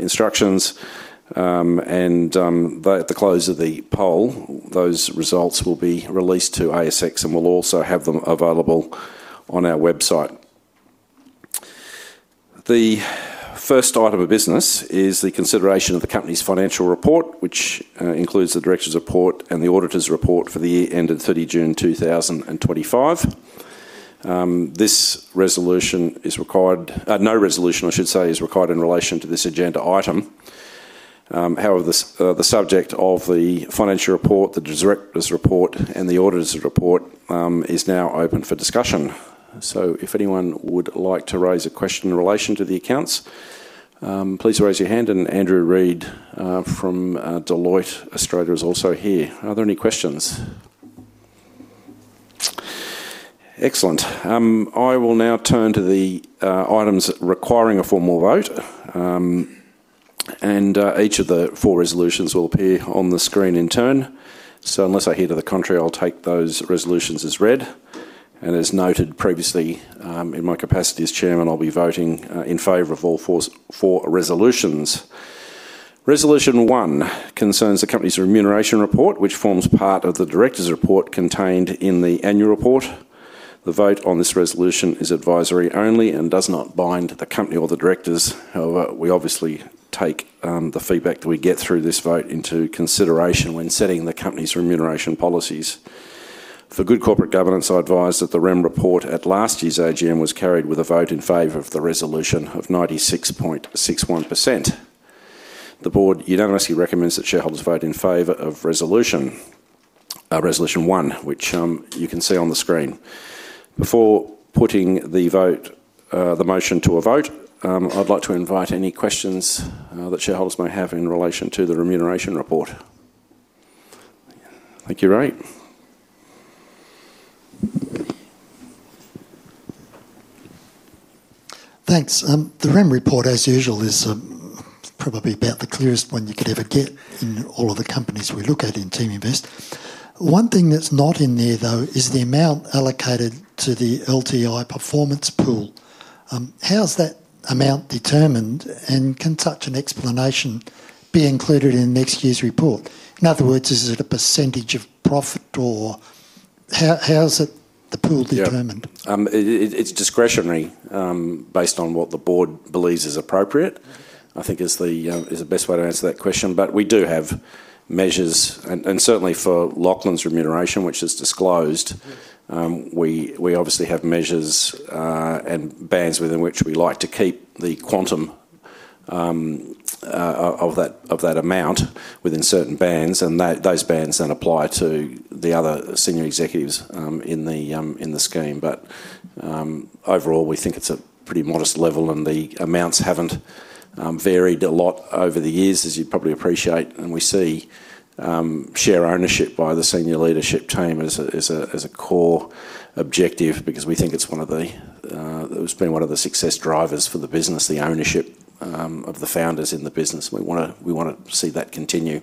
instructions. At the close of the poll, those results will be released to ASX, and we'll also have them available on our website. The first item of business is the consideration of the company's financial report, which includes the Director's Report and the Auditor's Report for the year ended 30 June 2025. No resolution, I should say, is required in relation to this agenda item. However, the subject of the financial report, the Director's Report, and the Auditor's Report is now open for discussion. If anyone would like to raise a question in relation to the accounts, please raise your hand. Andrew Reid from Deloitte Australia is also here. Are there any questions? Excellent. I will now turn to the items requiring a formal vote. Each of the four resolutions will appear on the screen in turn. Unless I hear the contrary, I'll take those resolutions as read. As noted previously, in my capacity as Chairman, I'll be voting in favor of all four resolutions. Resolution one concerns the company's remuneration report, which forms part of the Director's Report contained in the annual report. The vote on this resolution is advisory only and does not bind the company or the directors. However, we obviously take the feedback that we get through this vote into consideration when setting the company's remuneration policies. For good corporate governance, I advise that the REM report at last year's AGM was carried with a vote in favor of the resolution of 96.61%. The Board unanimously recommends that shareholders vote in favor of resolution one, which you can see on the screen. Before putting the motion to a vote, I'd like to invite any questions that shareholders may have in relation to the remuneration report. Thank you, Ray. Thanks. The REM report, as usual, is probably about the clearest one you could ever get in all of the companies we look at in Team Invest. One thing that's not in there, though, is the amount allocated to the LTI performance pool. How is that amount determined, and can such an explanation be included in next year's report? In other words, is it a percentage of profit, or how is the pool determined? It's discretionary based on what the board believes is appropriate, I think, is the best way to answer that question. We do have measures. Certainly for Lachlan's remuneration, which is disclosed, we obviously have measures and bands within which we like to keep the quantum of that amount within certain bands. Those bands then apply to the other senior executives in the scheme. Overall, we think it's a pretty modest level, and the amounts haven't varied a lot over the years, as you probably appreciate. We see share ownership by the senior leadership team as a core objective because we think it's one of the success drivers for the business, the ownership of the founders in the business. We want to see that continue.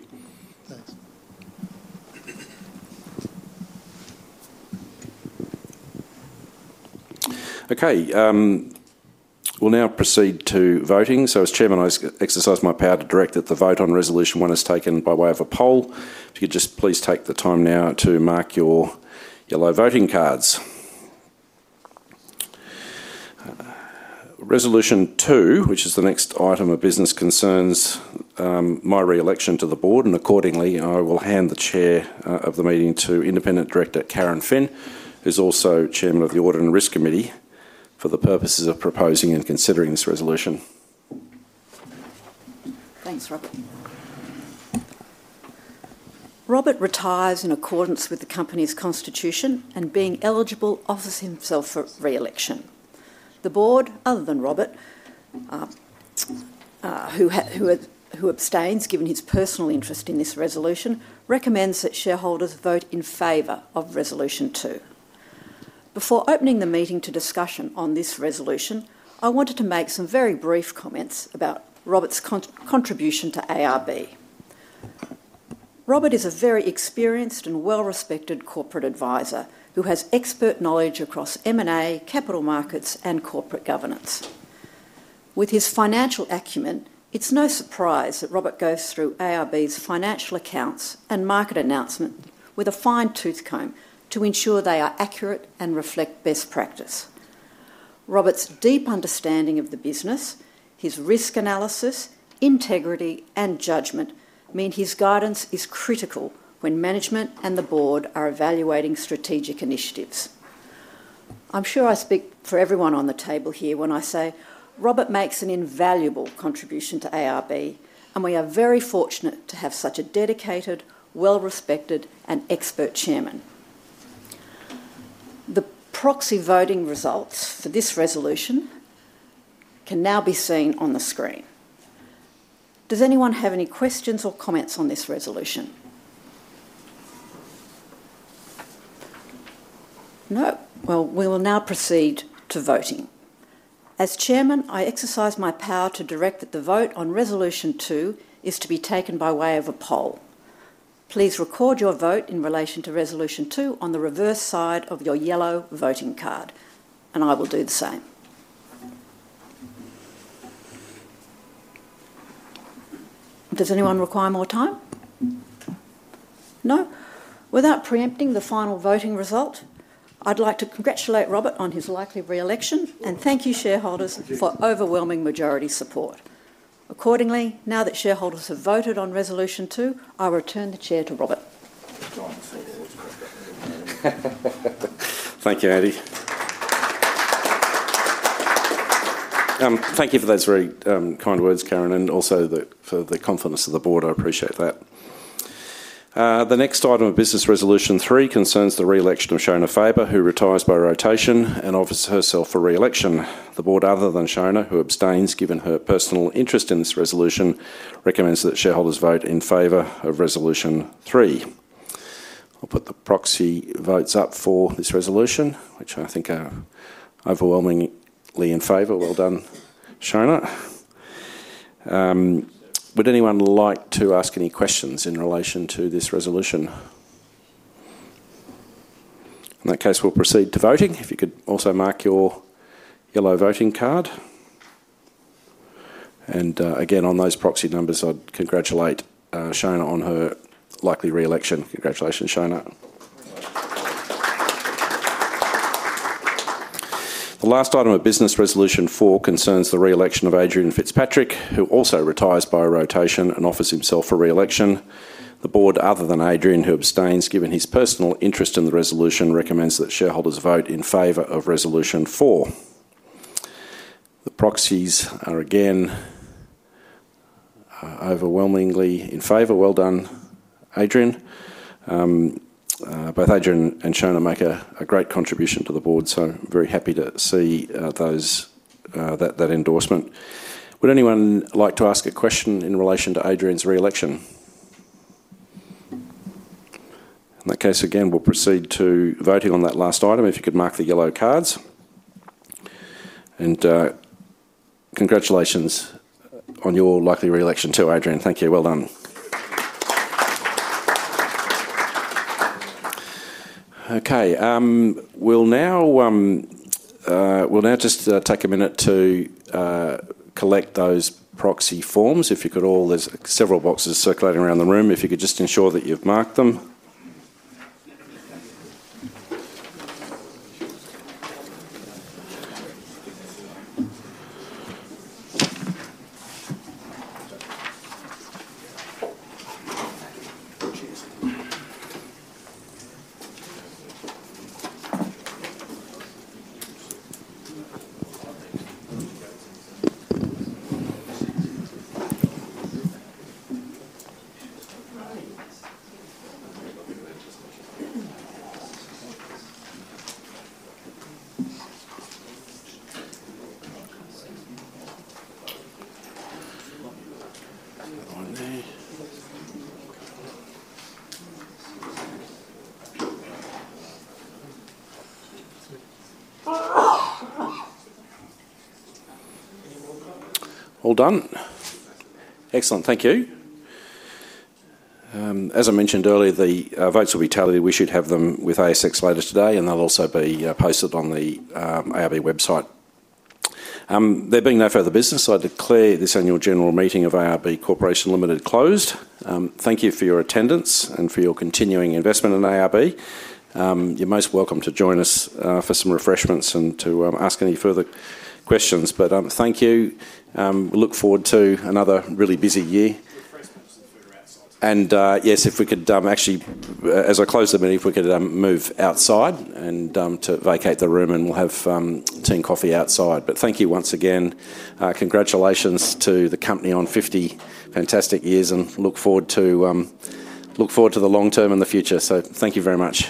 OK. We'll now proceed to voting. As Chairman, I exercise my power to direct that the vote on resolution one is taken by way of a poll. If you could just please take the time now to mark your yellow voting cards. Resolution two, which is the next item of business, concerns my re-election to the Board. Accordingly, I will hand the Chair of the meeting to Independent Director Karen Phin, who's also Chairman of the Audit and Risk Committee, for the purposes of proposing and considering this resolution. Thanks, Robert. Robert retires in accordance with the company's constitution and, being eligible, offers himself for re-election. The board, other than Robert, who abstains given his personal interest in this resolution, recommends that shareholders vote in favor of resolution two. Before opening the meeting to discussion on this resolution, I wanted to make some very brief comments about Robert's contribution to ARB. Robert is a very experienced and well-respected corporate advisor who has expert knowledge across M&A, capital markets, and corporate governance. With his financial acumen, it's no surprise that Robert goes through ARB's financial accounts and market announcement with a fine-tooth comb to ensure they are accurate and reflect best practice. Robert's deep understanding of the business, his risk analysis, integrity, and judgment mean his guidance is critical when management and the board are evaluating strategic initiatives. I'm sure I speak for everyone on the table here when I say Robert makes an invaluable contribution to ARB, and we are very fortunate to have such a dedicated, well-respected, and expert Chairman. The proxy voting results for this resolution can now be seen on the screen. Does anyone have any questions or comments on this resolution? No? We will now proceed to voting. As Chairman, I exercise my power to direct that the vote on resolution two is to be taken by way of a poll. Please record your vote in relation to resolution two on the reverse side of your yellow voting card, and I will do the same. Does anyone require more time? No? Without preempting the final voting result, I'd like to congratulate Robert on his likely re-election, and thank you, shareholders, for overwhelming majority support. Accordingly, now that shareholders have voted on resolution two, I will return the chair to Robert. Thank you, Andy. Thank you for those very kind words, Karen, and also for the confidence of the board. I appreciate that. The next item of business, resolution three, concerns the re-election of Shona Faber, who retires by rotation and offers herself for re-election. The board, other than Shona, who abstains given her personal interest in this resolution, recommends that shareholders vote in favor of resolution three. I'll put the proxy votes up for this resolution, which I think are overwhelmingly in favor. Well done, Shona. Would anyone like to ask any questions in relation to this resolution? In that case, we'll proceed to voting. If you could also mark your yellow voting card. Again, on those proxy numbers, I'd congratulate Shona on her likely re-election. Congratulations, Shona. The last item of business, resolution four, concerns the re-election of Adrian Fitzpatrick, who also retires by rotation and offers himself for re-election. The board, other than Adrian, who abstains given his personal interest in the resolution, recommends that shareholders vote in favor of resolution four. The proxies are again overwhelmingly in favor. Well done, Adrian. Both Adrian and Shona make a great contribution to the board, so very happy to see that endorsement. Would anyone like to ask a question in relation to Adrian's re-election? In that case, again, we'll proceed to voting on that last item. If you could mark the yellow cards. Congratulations on your likely re-election too, Adrian. Thank you. Well done. OK. We'll now just take a minute to collect those proxy forms. If you could all, there's several boxes circulating around the room. If you could just ensure that you've marked them. Hold on. Excellent. Thank you. As I mentioned earlier, the votes will be tallied. We should have them with ASX later today, and they'll also be posted on the ARB website. There being no further business, I declare this annual general meeting of ARB Corporation Limited closed. Thank you for your attendance and for your continuing investment in ARB. You're most welcome to join us for some refreshments and to ask any further questions. Thank you. We look forward to another really busy year. If we could actually, as I close the meeting, move outside and vacate the room, we'll have team coffee outside. Thank you once again. Congratulations to the company on 50 fantastic years, and look forward to the long term in the future. Thank you very much.